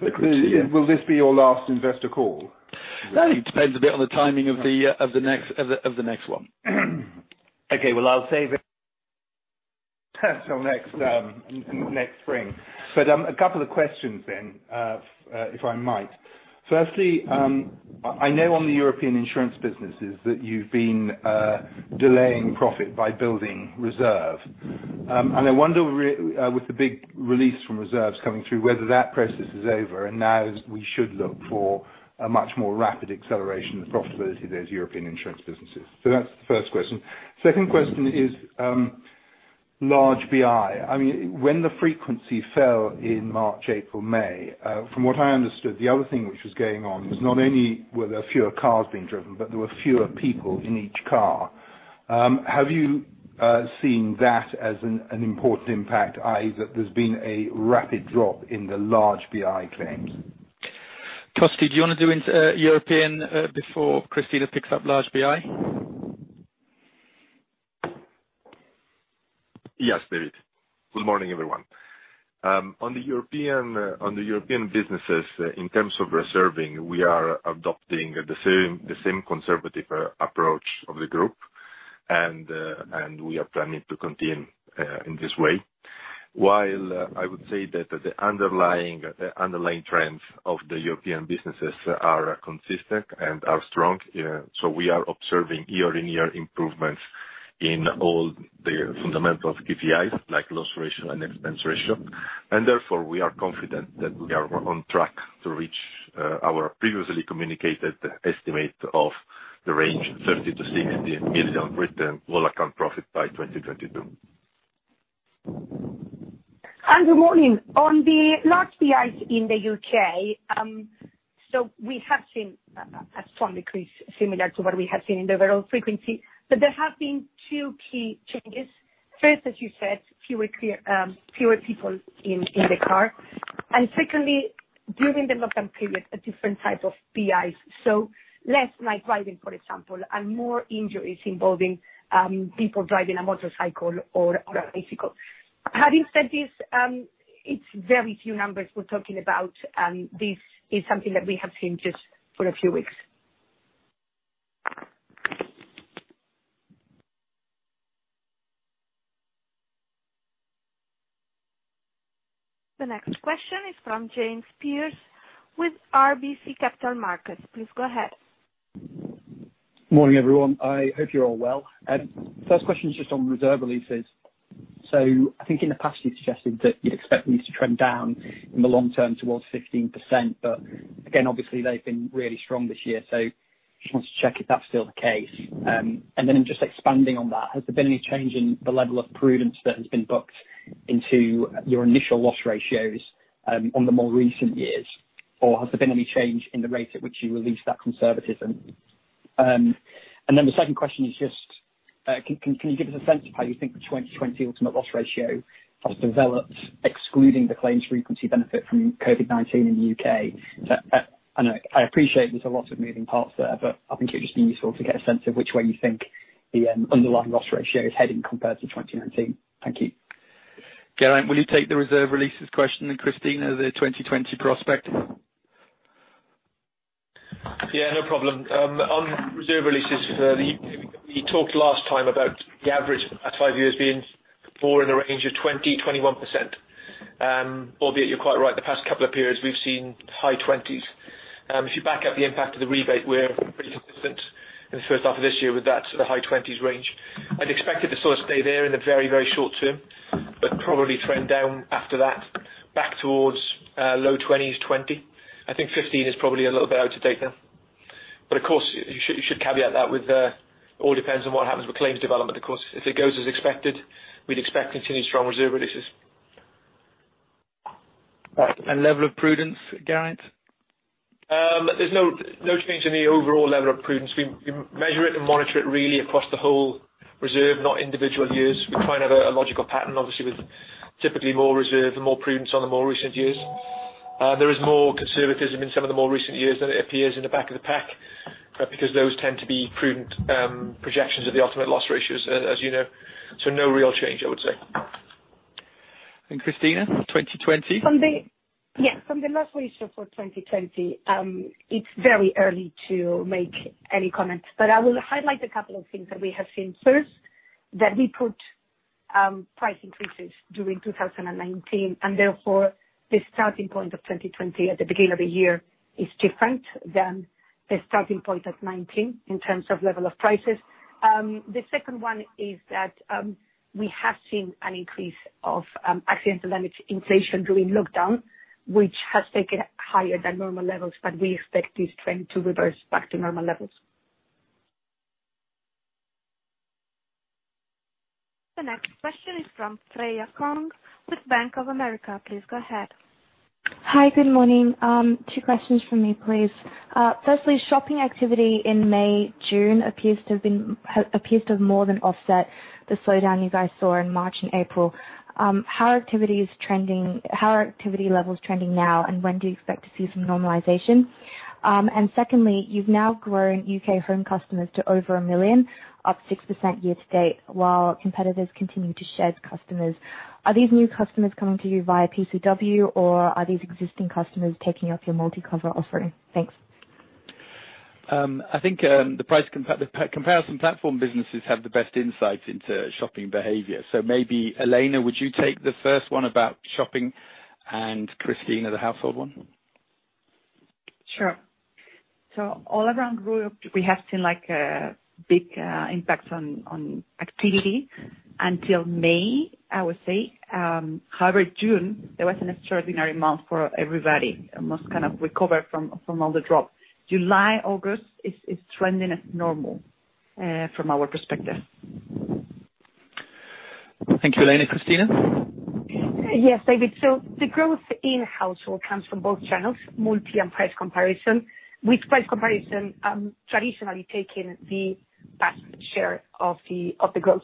the current CEO. Will, will this be your last investor call? It depends a bit on the timing of the next one. Okay. Well, I'll save it till next spring. But a couple of questions then, if I might. Firstly, I know on the European insurance businesses, that you've been delaying profit by building reserve. And I wonder with the big release from reserves coming through, whether that process is over, and now we should look for a much more rapid acceleration in the profitability of those European insurance businesses? So that's the first question. Second question is, Large BI. I mean, when the frequency fell in March, April, May, from what I understood, the other thing which was going on was not only were there fewer cars being driven, but there were fewer people in each car. Have you seen that as an important impact, i.e., that there's been a rapid drop in the Large BI claims? Costi, do you want to go into European before Cristina picks up Large BI? Yes, David. Good morning, everyone. On the European businesses, in terms of reserving, we are adopting the same conservative approach of the group, and we are planning to continue in this way. While I would say that the underlying trends of the European businesses are consistent and are strong, so we are observing year-on-year improvements in all the fundamental KPIs, like loss ratio and expense ratio. Therefore, we are confident that we are on track to reach our previously communicated estimate of the range 30 million-60 million pre-tax profit by 2022. Good morning. On the large BIs in the U.K., so we have seen a strong decrease similar to what we have seen in the overall frequency. But there have been two key changes. First, as you said, fewer clear, fewer people in the car, and secondly, during the lockdown period, a different type of PIs. So less like driving, for example, and more injuries involving people driving a motorcycle or a bicycle. Having said this, it's very few numbers we're talking about, and this is something that we have seen just for a few weeks. The next question is from James Pearse with RBC Capital Markets. Please go ahead. Morning, everyone. I hope you're all well. First question is just on reserve releases. So I think in the past, you suggested that you'd expect these to trend down in the long term towards 15%, but again, obviously, they've been really strong this year, so just want to check if that's still the case. And then just expanding on that, has there been any change in the level of prudence that has been booked into your initial loss ratios on the more recent years? Or has there been any change in the rate at which you release that conservatism? And then the second question is just, can you give us a sense of how you think the 2020 ultimate loss ratio has developed, excluding the claims frequency benefit from COVID-19 in the U.K.? I know, I appreciate there's a lot of moving parts there, but I think it'd just be useful to get a sense of which way you think the underlying loss ratio is heading compared to 2019. Thank you. Geraint, will you take the reserve releases question, and Cristina, the 2020 prospect? Yeah, no problem. On reserve releases, we talked last time about the average at five years being 40 in the range of 20-21%. Albeit you're quite right, the past couple of periods, we've seen high 20s. If you back out the impact of the rebate, we're pretty consistent in the first half of this year with that sort of high 20s range. I'd expect it to sort of stay there in the very, very short term, but probably trend down after that, back towards low 20s, 20. I think 15 is probably a little bit out of date now. But of course, you should caveat that with all depends on what happens with claims development, of course. If it goes as expected, we'd expect continued strong reserve releases. Level of prudence, Geraint? There's no change in the overall level of prudence. We measure it and monitor it really across the whole reserve, not individual years. We try and have a logical pattern, obviously, with typically more reserve and more prudence on the more recent years. There is more conservatism in some of the more recent years than it appears in the back of the pack, because those tend to be prudent projections of the ultimate loss ratios, as you know. So no real change, I would say. Cristina, 2020? From the loss ratio for 2020, it's very early to make any comments, but I will highlight a couple of things that we have seen. First, that we put price increases during 2019, and therefore, the starting point of 2020 at the beginning of the year is different than the starting point of 2019 in terms of level of prices. The second one is that we have seen an increase of accidental damage inflation during lockdown, which has taken higher than normal levels, but we expect this trend to reverse back to normal levels. The next question is from Freya Kong with Bank of America. Please go ahead. Hi, good morning. Two questions from me, please. Firstly, shopping activity in May, June, appears to have more than offset the slowdown you guys saw in March and April. How are activities trending, how are activity levels trending now, and when do you expect to see some normalization? And secondly, you've now grown U.K. home customers to over a million, up 6% year to date, while competitors continue to shed customers. Are these new customers coming to you via PCW, or are these existing customers taking up your MultiCover offering? Thanks. I think the comparison platform businesses have the best insight into shopping behavior. So maybe, Elena, would you take the first one about shopping, and Cristina, the household one? Sure. So all around Europe, we have seen, like, a big impact on activity until May, I would say. However, June, there was an extraordinary month for everybody, and must kind of recover from all the drop. July, August is trending as normal, from our perspective. Thank you, Elena. Cristina? Yes, David. So the growth in household comes from both channels, multi and price comparison, with price comparison traditionally taking the vast share of the growth.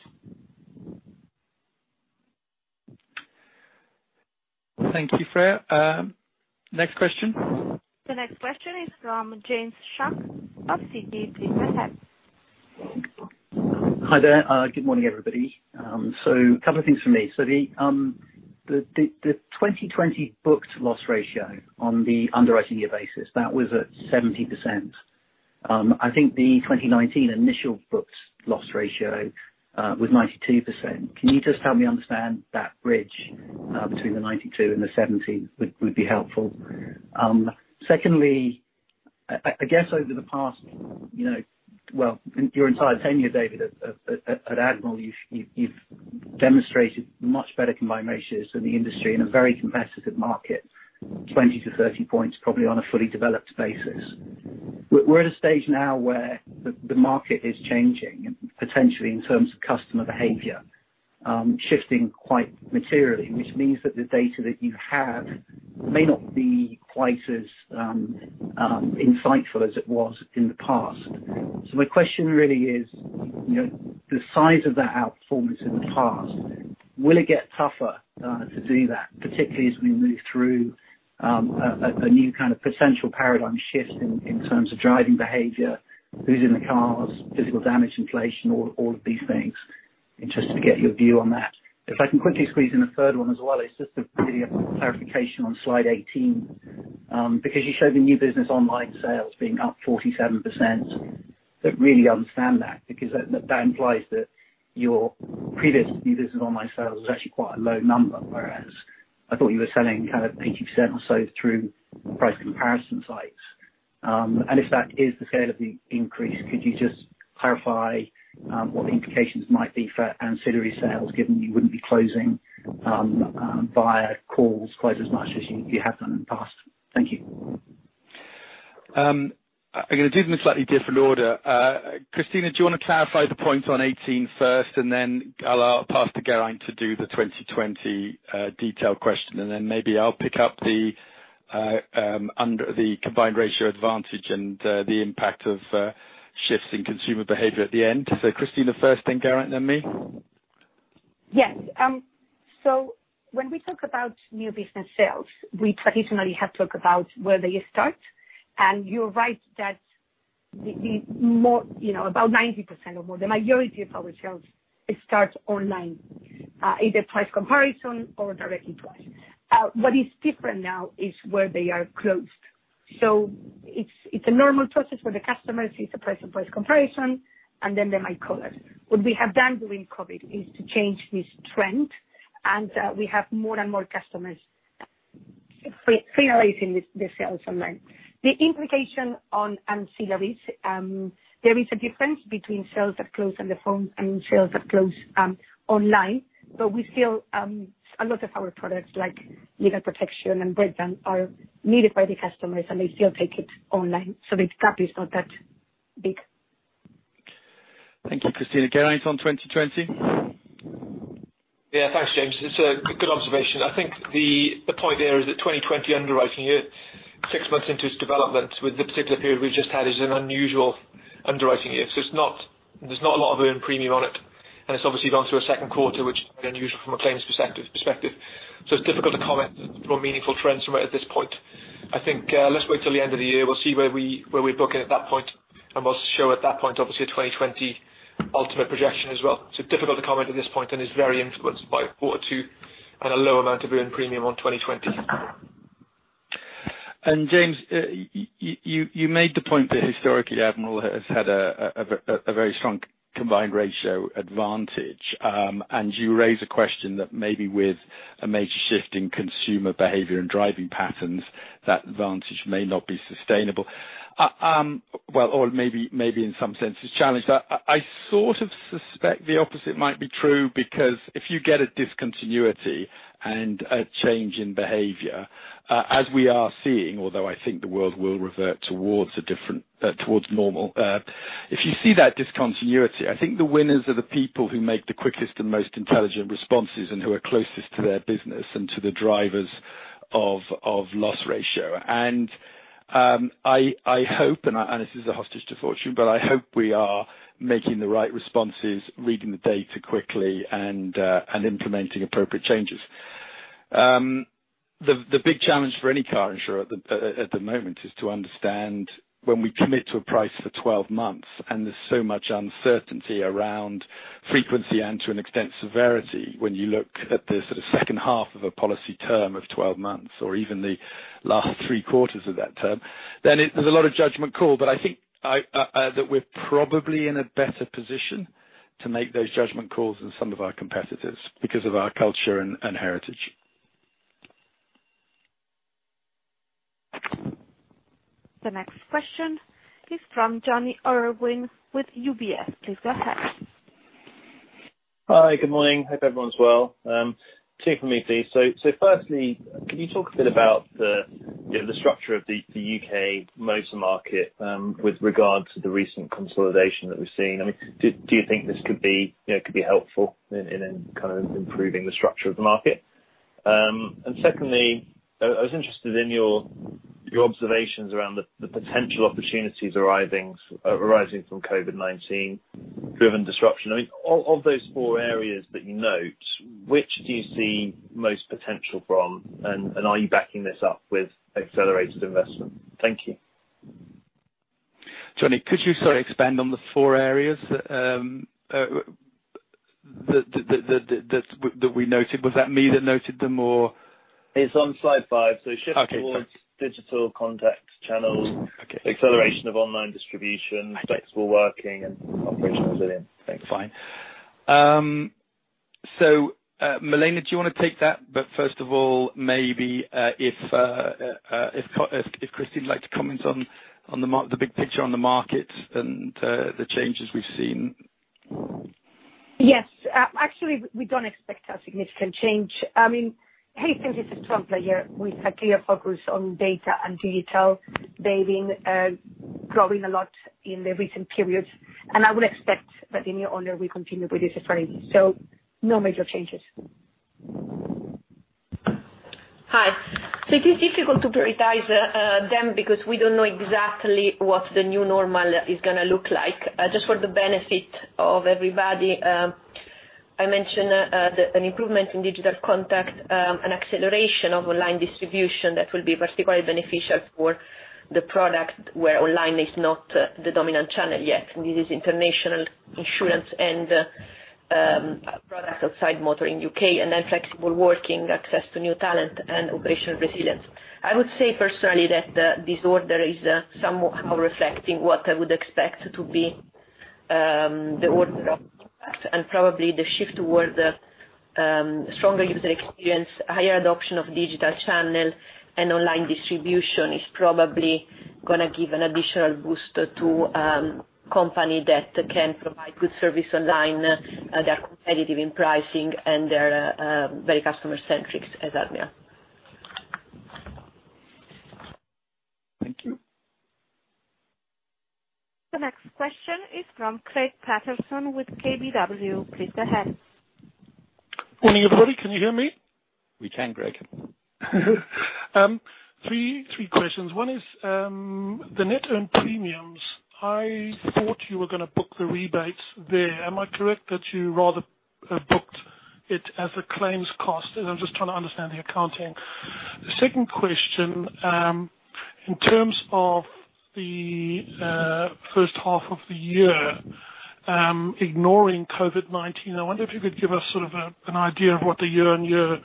Thank you, Freya. Next question? The next question is from James Shuck of Citigroup. Go ahead. Hi there, good morning, everybody. So a couple of things from me. So the 2020 booked loss ratio on the underwriting year basis, that was at 70%. I think the 2019 initial booked loss ratio was 92%. Can you just help me understand that bridge between the 92% and the 70%, would be helpful. Secondly, I guess over the past, you know, well, in your entire tenure, David, at Admiral, you've demonstrated much better combined ratios than the industry in a very competitive market, 20-30 points, probably on a fully developed basis. We're at a stage now where the market is changing, and potentially in terms of customer behavior, shifting quite materially, which means that the data that you have may not be quite as insightful as it was in the past. So my question really is, you know, the size of that outperformance in the past, will it get tougher to do that, particularly as we move through a new kind of potential paradigm shift in terms of driving behavior, who's in the cars, physical damage, inflation, all of these things? Interested to get your view on that. If I can quickly squeeze in a third one as well, it's just really a clarification on slide 18. Because you show the new business online sales being up 47%. Don't really understand that, because that implies that your previous new business online sales was actually quite a low number, whereas I thought you were selling kind of 80% or so through price comparison sites. And if that is the scale of the increase, could you just clarify what the implications might be for ancillary sales, given you wouldn't be closing via calls quite as much as you have done in the past? Thank you. I'm gonna do them in a slightly different order. Cristina, do you wanna clarify the point on 18 first, and then I'll, I'll pass to Geraint to do the 2020 detail question. And then maybe I'll pick up the under the combined ratio advantage and the impact of shifts in consumer behavior at the end. Cristina first, then Geraint, then me. Yes. So when we talk about new business sales, we traditionally have talked about where they start. And you're right, that the more. You know, about 90% or more, the majority of our sales starts online, either price comparison or directly to us. What is different now is where they are closed. So it's, it's a normal process where the customer sees a price and price comparison, and then they might call us. What we have done during COVID is to change this trend, and, we have more and more customers finalizing the, the sales online. The implication on ancillaries, there is a difference between sales that close on the phone and sales that close online, but we still, a lot of our products, like legal protection and broadband, are needed by the customers, and they still take it online, so the gap is not that big. Thank you, Cristina. Geraint, on 2020? Yeah, thanks, James. It's a good observation. I think the point there is that 2020 underwriting year, six months into its development with the particular period we've just had, is an unusual underwriting year. So it's not, there's not a lot of earned premium on it, and it's obviously gone through a second quarter, which is unusual from a claims perspective. So it's difficult to comment on meaningful trends from it at this point. I think, let's wait till the end of the year. We'll see where we're booking at that point, and we'll show at that point, obviously, a 2020 ultimate projection as well. So difficult to comment at this point, and is very influenced by quarter two, and a low amount of earned premium on 2020. James, you made the point that historically, Admiral has had a very strong combined ratio advantage. You raise a question that maybe with a major shift in consumer behavior and driving patterns, that advantage may not be sustainable, or maybe, maybe in some senses, challenged. I sort of suspect the opposite might be true, because if you get a discontinuity and a change in behavior, as we are seeing, although I think the world will revert towards a different, towards normal, if you see that discontinuity, I think the winners are the people who make the quickest and most intelligent responses and who are closest to their business and to the drivers of loss ratio. I hope, and this is a hostage to fortune, but I hope we are making the right responses, reading the data quickly, and implementing appropriate changes. The big challenge for any car insurer at the moment is to understand when we commit to a price for 12 months, and there's so much uncertainty around frequency and, to an extent, severity, when you look at the sort of second half of a policy term of 12 months, or even the last three quarters of that term, then there's a lot of judgment call. But I think that we're probably in a better position to make those judgment calls than some of our competitors because of our culture and heritage. The next question is from Jonny Urwin with UBS. Please go ahead. Hi, good morning. Hope everyone's well. Two from me, please. So, firstly, can you talk a bit about the, you know, the structure of the, the U.K. motor market, with regard to the recent consolidation that we've seen? I mean, do you think this could be, you know, could be helpful in, in, in kind of improving the structure of the market? And secondly, I was interested in your, your observations around the, the potential opportunities arising, arising from COVID-19 driven disruption. I mean, of those four areas that you note, which do you see most potential from? And, are you backing this up with accelerated investment? Thank you. Jonny, could you sort of expand on the four areas that we noted? Was that me that noted them or... It's on slide 5. Okay. Shift towards digital contact channels. Okay. acceleration of online distribution I see. flexible working and operational resilience. Thanks. Fine. So, Milena, do you want to take that? But first of all, maybe, if Cristina would like to comment on the big picture on the markets and the changes we've seen. Yes. Actually, we don't expect a significant change. I mean, Hastings is a strong player with a clear focus on data and digital. They've been growing a lot in the recent periods, and I would expect that the new owner will continue with this strategy. So no major changes. Hi. So it is difficult to prioritize them, because we don't know exactly what the new normal is gonna look like. Just for the benefit of everybody, I mentioned an improvement in digital contact, an acceleration of online distribution that will be particularly beneficial for the product, where online is not the dominant channel yet. And this is international insurance and products outside motor in U.K., and then flexible working, access to new talent and operational resilience. I would say personally, that, this order is, somehow reflecting what I would expect to be, the order of and probably the shift towards a, stronger user experience, higher adoption of digital channel and online distribution is probably gonna give an additional boost to, company that can provide good service online, they're competitive in pricing and they're, very customer centric as Admiral. Thank you. The next question is from Greig Paterson with KBW. Please go ahead. Morning, everybody. Can you hear me? We can, Greg. Three questions. One is, the net earned premiums. I thought you were gonna book the rebates there. Am I correct that you rather booked it as a claims cost? And I'm just trying to understand the accounting. The second question, in terms of the first half of the year, ignoring COVID-19, I wonder if you could give us sort of an idea of what the year-on-year,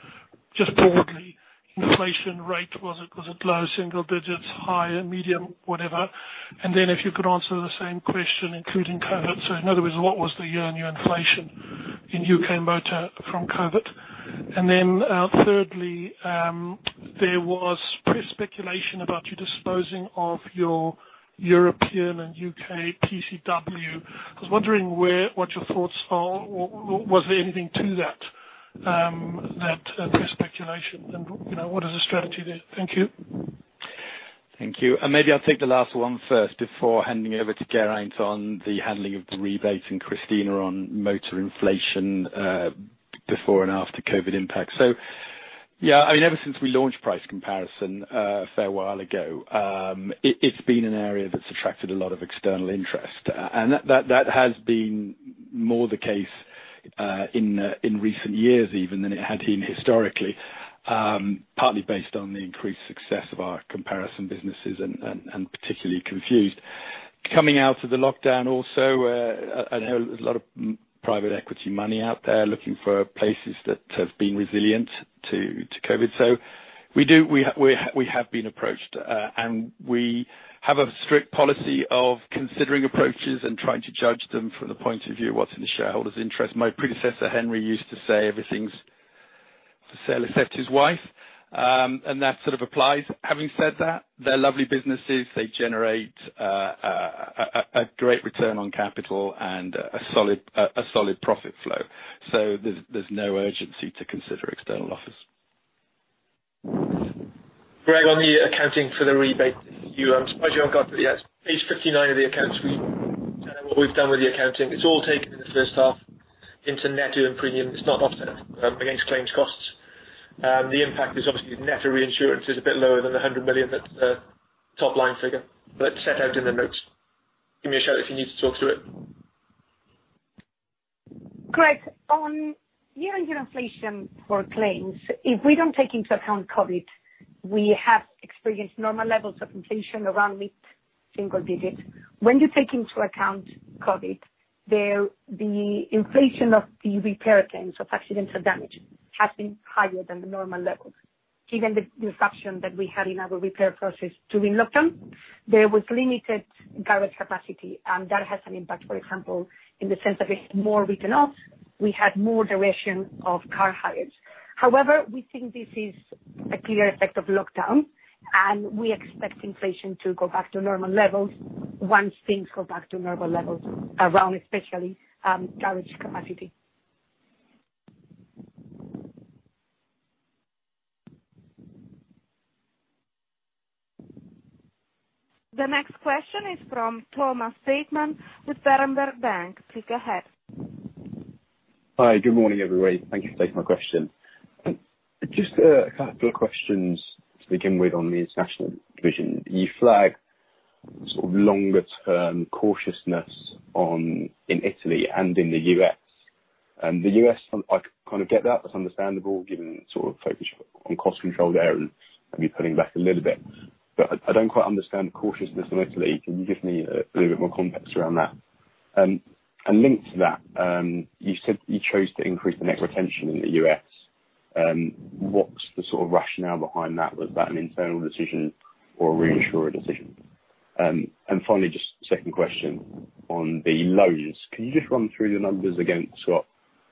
just broadly, inflation rate was. Was it low, single digits, high, medium, whatever? And then if you could answer the same question, including COVID. So in other words, what was the year-on-year inflation in U.K. motor from COVID? And then, thirdly, there was press speculation about you disposing of your European and U.K. PCW. I was wondering what your thoughts are, or was there anything to that, that press speculation? You know, what is the strategy there? Thank you. Thank you. Maybe I'll take the last one first before handing over to Geraint on the handling of the rebate and Cristina on motor inflation before and after COVID impact. So, yeah, I mean, ever since we launched price comparison a fair while ago, it's been an area that's attracted a lot of external interest. And that has been more the case in recent years, even than it had been historically. Partly based on the increased success of our comparison businesses and particularly Confused. Coming out of the lockdown, also, I know there's a lot of private equity money out there, looking for places that have been resilient to COVID. So we do, we have been approached, and we have a strict policy of considering approaches and trying to judge them from the point of view, what's in the shareholders' interest. My predecessor, Henry, used to say, everything's for sale, except his wife. And that sort of applies. Having said that, they're lovely businesses. They generate a great return on capital and a solid profit flow. So there's no urgency to consider external offers. Greg, on the accounting for the rebate, you, as regards to the, yes, page 59 of the accounts, we, what we've done with the accounting, it's all taken in the first half into net earned premium. It's not offset against claims costs. The impact is obviously net reinsurance is a bit lower than the 100 million, but top line figure, but set out in the notes. Give me a shout if you need to talk through it. Greg, on year-on-year inflation for claims, if we don't take into account COVID, we have experienced normal levels of inflation around mid-single digits. When you take into account COVID, the inflation of the repair claims of accidental damage has been higher than the normal levels. Given the disruption that we had in our repair process during lockdown, there was limited garage capacity, and that has an impact, for example, in the sense that it's more written off, we had more duration of car hires. However, we think this is a clear effect of lockdown, and we expect inflation to go back to normal levels, once things go back to normal levels around especially, garage capacity. The next question is from Thomas Bateman with Berenberg Bank. Please go ahead. Hi, good morning, everybody. Thank you for taking my question. Just a couple of questions to begin with on the international division. You flagged sort of longer-term cautiousness on, in Italy and in the U.S. The U.S., I kind of get that, that's understandable, given sort of focus on cost control there, and maybe pulling back a little bit. But I don't quite understand the cautiousness in Italy. Can you give me a little bit more context around that? And linked to that, you said you chose to increase the net retention in the U.S. What's the sort of rationale behind that? Was that an internal decision or a reinsurer decision? And finally, just second question on the loans. Can you just run through the numbers again, Scott,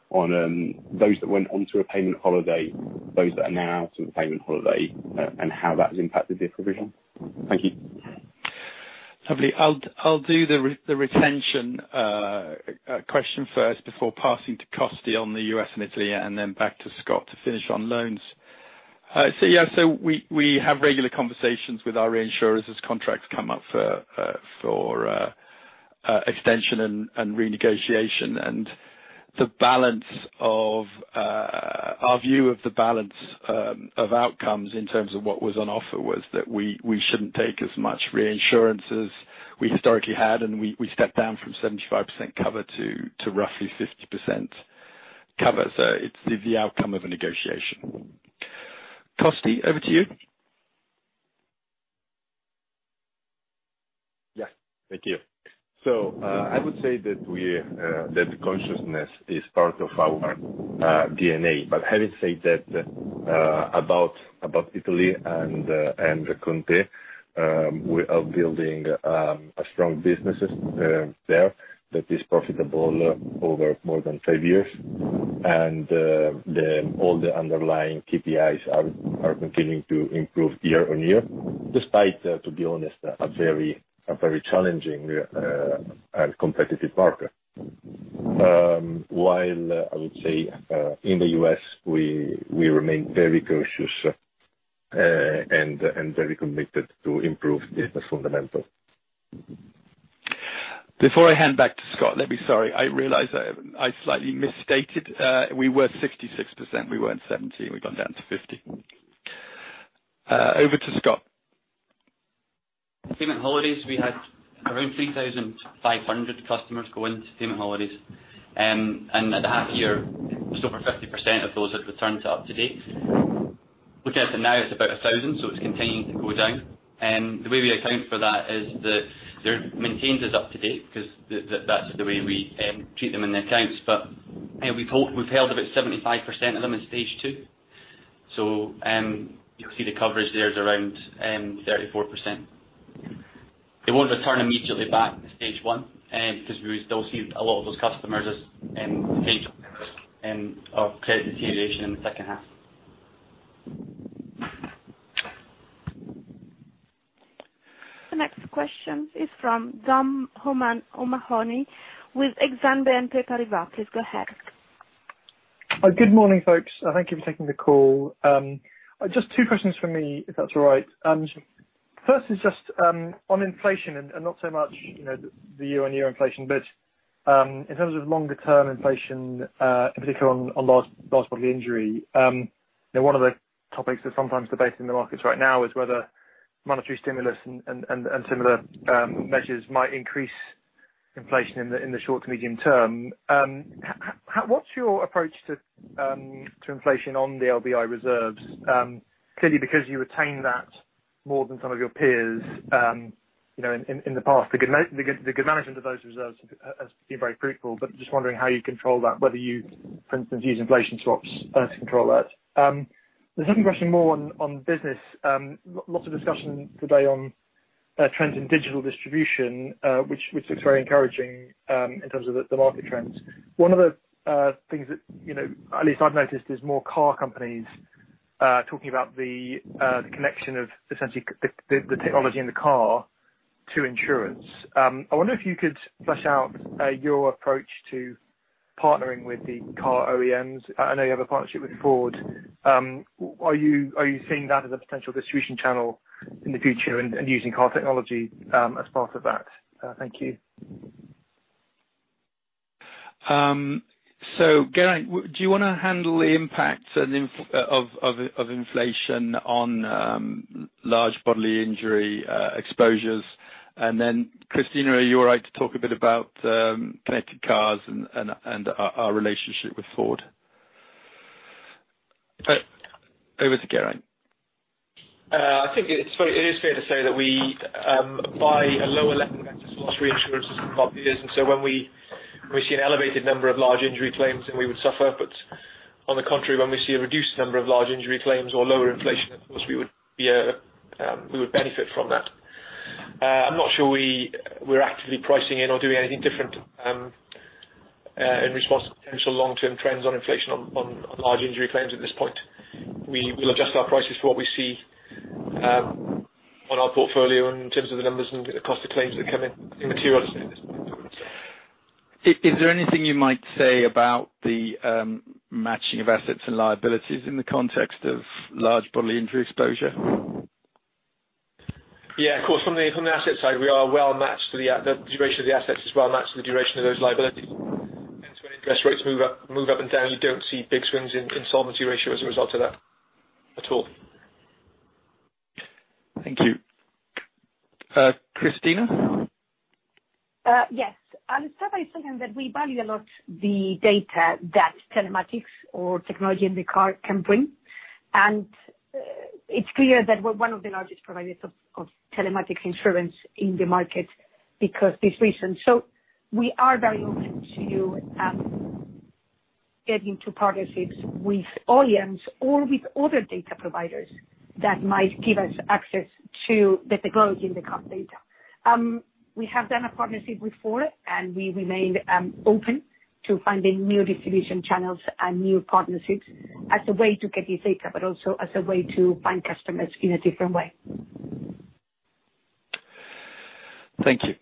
on those that went onto a payment holiday, those that are now out of the payment holiday, and how that has impacted your provision? Thank you. Lovely. I'll do the retention question first before passing to Costi on the U.S. and Italy, and then back to Scott to finish on loans. So yeah, so we have regular conversations with our reinsurers as contracts come up for extension and renegotiation. And the balance of our view of the balance of outcomes in terms of what was on offer was that we shouldn't take as much reinsurance as we historically had, and we stepped down from 75% cover to roughly 50% cover. So it's the outcome of a negotiation. Costi, over to you. Yes, thank you. So, I would say that we, that consciousness is part of our, DNA. But having said that, about, about Italy and, and ConTe.it, we are building, a strong businesses, there, that is profitable over more than five years. And, the, all the underlying KPIs are, continuing to improve year on year, despite, to be honest, a very, a very challenging, competitive market. While I would say, in the U.S., we, remain very cautious, and, very committed to improve the business fundamental. Before I hand back to Scott, let me, sorry, I realize I slightly misstated. We were 66%. We weren't 70%, we've gone down to 50%. Over to Scott. Payment holidays, we had around 3,500 customers go into payment holidays. And at the half year, just over 50% of those had returned to up to date. Which as of now is about 1,000, so it's continuing to go down. And the way we account for that is that they're maintained as up to date, because that's the way we treat them in the accounts. But, you know, we've held about 75% of them in Stage 2. So, you'll see the coverage there is around 34%. They won't return immediately back to Stage 1, because we still see a lot of those customers as potential risk of credit deterioration in the second half. The next question is from Dom O'Mahony with Exane BNP Paribas. Please go ahead. Good morning, folks. Thank you for taking the call. Just two questions from me, if that's all right. First is just on inflation and not so much, you know, the year-on-year inflation, but in terms of longer-term inflation, in particular on large bodily injury. You know, one of the topics that's sometimes debated in the markets right now is whether monetary stimulus and similar measures might increase inflation in the short to medium term. What's your approach to inflation on the LBI reserves? Clearly, because you retain that more than some of your peers, you know, in the past, the good management of those reserves has been very critical. But just wondering how you control that, whether you, for instance, use inflation swaps to control that. The second question, more on business. Lots of discussion today on trends in digital distribution, which looks very encouraging, in terms of the market trends. One of the things that, you know, at least I've noticed, is more car companies talking about the connection of essentially the technology in the car to insurance. I wonder if you could flesh out your approach to partnering with the car OEMs. I know you have a partnership with Ford. Are you seeing that as a potential distribution channel in the future and using car technology as part of that? Thank you. So Geraint, do you wanna handle the impact and inflation on large bodily injury exposures? And then, Cristina, are you all right to talk a bit about connected cars and our relationship with Ford? Over to Geraint. I think it's fair, it is fair to say that we buy a lower layer of loss reinsurance than our peers, and so when we see an elevated number of large injury claims, then we would suffer. But on the contrary, when we see a reduced number of large injury claims or lower inflation, of course, we would be, we would benefit from that. I'm not sure we're actively pricing in or doing anything different, in response to potential long-term trends on inflation on large injury claims at this point. We will adjust our prices to what we see, on our portfolio in terms of the numbers and the cost of claims that come in, in material. Is there anything you might say about the matching of assets and liabilities in the context of large bodily injury exposure? Yeah, of course. From the asset side, we are well matched. The duration of the assets is well matched to the duration of those liabilities. Hence, when interest rates move up and down, you don't see big swings in Solvency Ratio as a result of that at all. Thank you. Uh, Cristina? Yes. I'll start by saying that we value a lot, the data that telematics or technology in the car can bring. It's clear that we're one of the largest providers of telematics insurance in the market because this reason. So we are very open to getting to partnerships with OEMs or with other data providers that might give us access to the technology in the car data. We have done a partnership before, and we remain open to finding new distribution channels and new partnerships as a way to get this data, but also as a way to find customers in a different way. Thank you.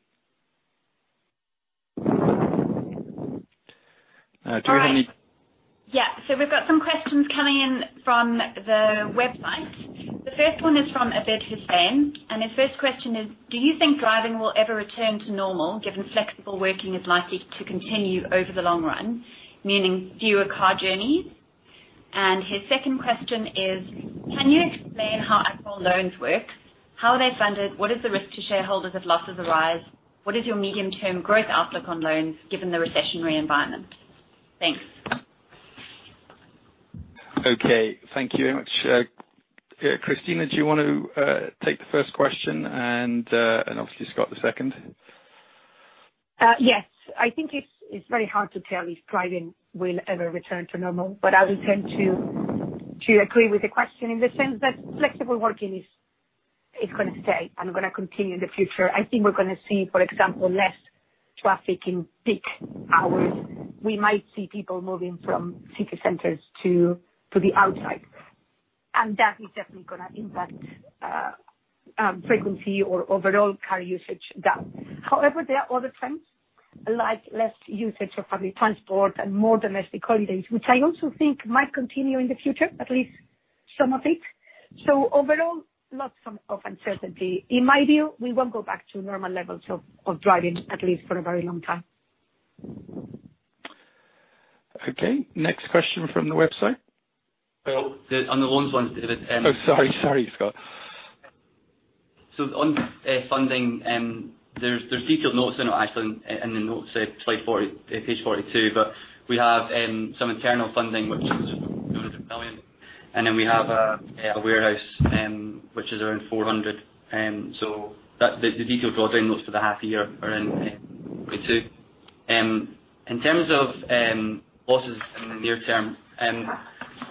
Do you have any- All right. Yeah. So we've got some questions coming in from the website. The first one is from Abid Hussain, and his first question is: Do you think driving will ever return to normal, given flexible working is likely to continue over the long run, meaning fewer car journeys? And his second question is: Can you explain how Admiral Loans work? How are they funded? What is the risk to shareholders if losses arise? What is your medium-term growth outlook on loans, given the recessionary environment? Thanks. Okay, thank you very much. Cristina, do you want to take the first question and, and obviously, Scott, the second? Yes. I think it's, it's very hard to tell if driving will ever return to normal, but I would tend to agree with the question in the sense that flexible working is gonna stay and gonna continue in the future. I think we're gonna see, for example, less traffic in peak hours. We might see people moving from city centers to the outside, and that is definitely gonna impact frequency or overall car usage down. However, there are other trends, like less usage of public transport and more domestic holidays, which I also think might continue in the future, at least some of it. So overall, lots of uncertainty. In my view, we won't go back to normal levels of driving, at least for a very long time. Okay. Next question from the website. Well, on the loans one, David- Oh, sorry, sorry, Scott. So on funding, there's detailed notes in it, actually, in the notes at slide 40, page 42. But we have some internal funding, which is 200 million, and then we have a warehouse, which is around 400 million. So that the detailed borrowing notes for the half year are in page 2. In terms of losses in the near term,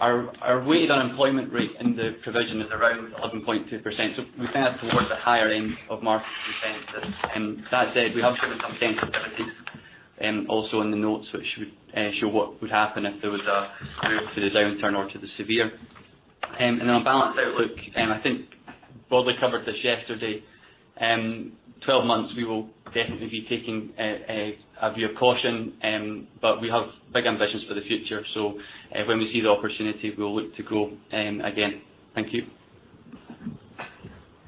our weighted unemployment rate in the provision is around 11.2%, so we're kind of towards the higher end of market consensus. That said, we have shown some sensitivities, also in the notes, which would show what would happen if there was a move to the downturn or to the severe. And on a balanced outlook, I think broadly covered this yesterday. 12 months, we will definitely be taking a view of caution, but we have big ambitions for the future. So, when we see the opportunity, we'll look to grow again. Thank you.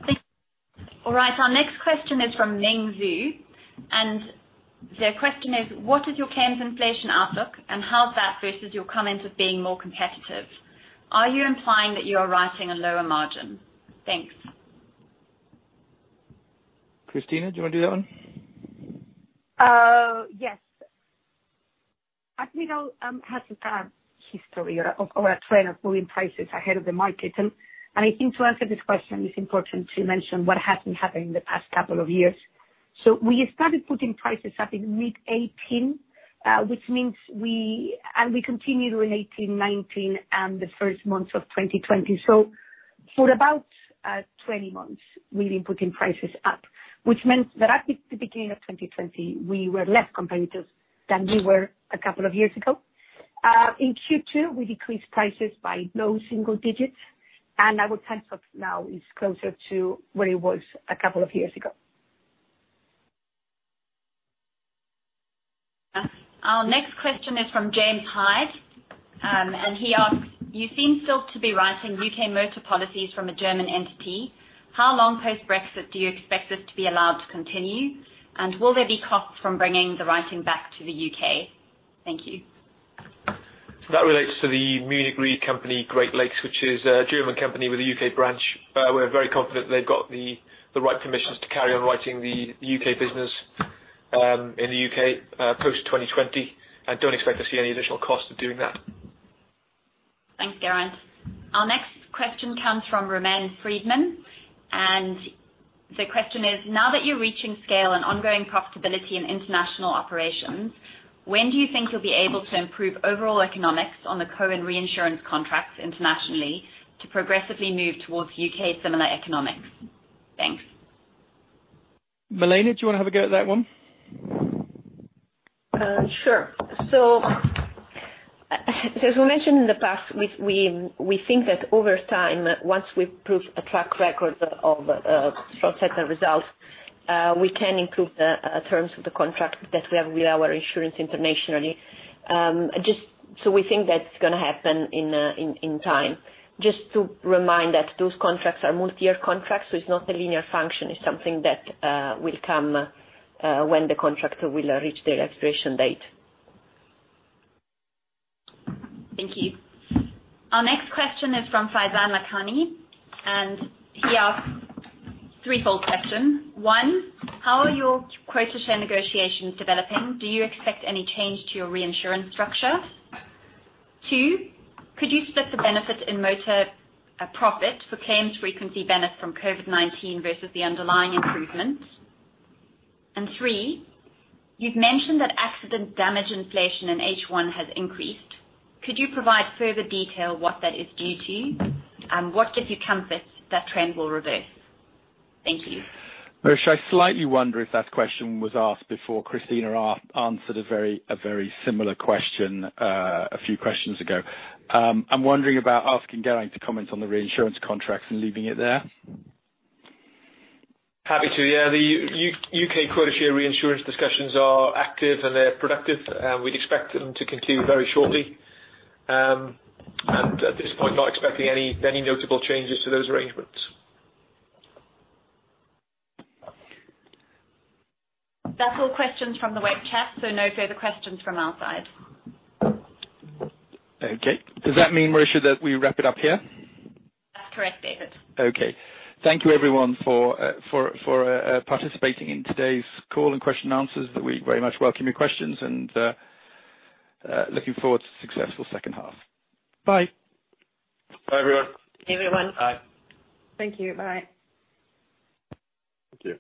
Thank you. All right, our next question is from Ming Zhu, and their question is: What is your claims inflation outlook, and how does that versus your comments of being more competitive? Are you implying that you are writing a lower margin? Thanks. Cristina, do you want to do that one? Yes. Admiral has a history or a trend of moving prices ahead of the market. And I think to answer this question, it's important to mention what has been happening in the past couple of years. So we started putting prices up in mid-2018, which means we continued in 2018, 2019, and the first months of 2020. So for about 20 months, we've been putting prices up, which meant that at the beginning of 2020, we were less competitive than we were a couple of years ago. In Q2, we decreased prices by low single digits, and I would say that now is closer to where it was a couple of years ago. Our next question is from James Hyde, and he asks: You seem still to be writing U.K. motor policies from a German entity. How long post-Brexit do you expect this to be allowed to continue? And will there be costs from bringing the writing back to the U.K.? Thank you. So that relates to the Munich Re company, Great Lakes, which is a German company with a U.K. branch. We're very confident they've got the right permissions to carry on writing the U.K. business, in the U.K., post-2020, and don't expect to see any additional cost of doing that. Thanks, Geraint. Our next question comes from Roman Friedman, and the question is: Now that you're reaching scale and ongoing profitability in international operations, when do you think you'll be able to improve overall economics on the co-insurance contracts internationally to progressively move towards U.K. similar economics? Thanks. Milena, do you want to have a go at that one? Sure. So, as we mentioned in the past, we think that over time, once we've proved a track record of strong set of results, we can improve the terms of the contract that we have with our insurance internationally. Just so we think that's gonna happen in time. Just to remind that those contracts are multi-year contracts, so it's not a linear function. It's something that will come when the contract will reach their expiration date. Thank you. Our next question is from Faizan Lakhani, and he asks threefold question. One, how are your quota share negotiations developing? Do you expect any change to your reinsurance structure? Two, could you split the benefit in motor profit for claims frequency benefit from COVID-19 versus the underlying improvement? And three, you've mentioned that accident damage inflation in H1 has increased. Could you provide further detail what that is due to? And what gives you comfort that trend will reverse? Thank you. Marisha, I slightly wonder if that question was asked before Cristina answered a very similar question a few questions ago. I'm wondering about asking Geraint to comment on the reinsurance contracts and leaving it there. Happy to. Yeah, the U.K. quota share reinsurance discussions are active, and they're productive, and we'd expect them to conclude very shortly. At this point, not expecting any notable changes to those arrangements. That's all questions from the web chat, so no further questions from our side. Okay. Does that mean, Marisha, that we wrap it up here? That's correct, David. Okay. Thank you, everyone, for participating in today's call and question and answers. We very much welcome your questions and looking forward to a successful second half. Bye. Bye, everyone. Bye, everyone. Bye. Thank you. Bye. Thank you.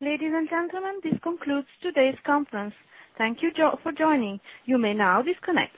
Ladies and gentlemen, this concludes today's conference. Thank you for joining. You may now disconnect.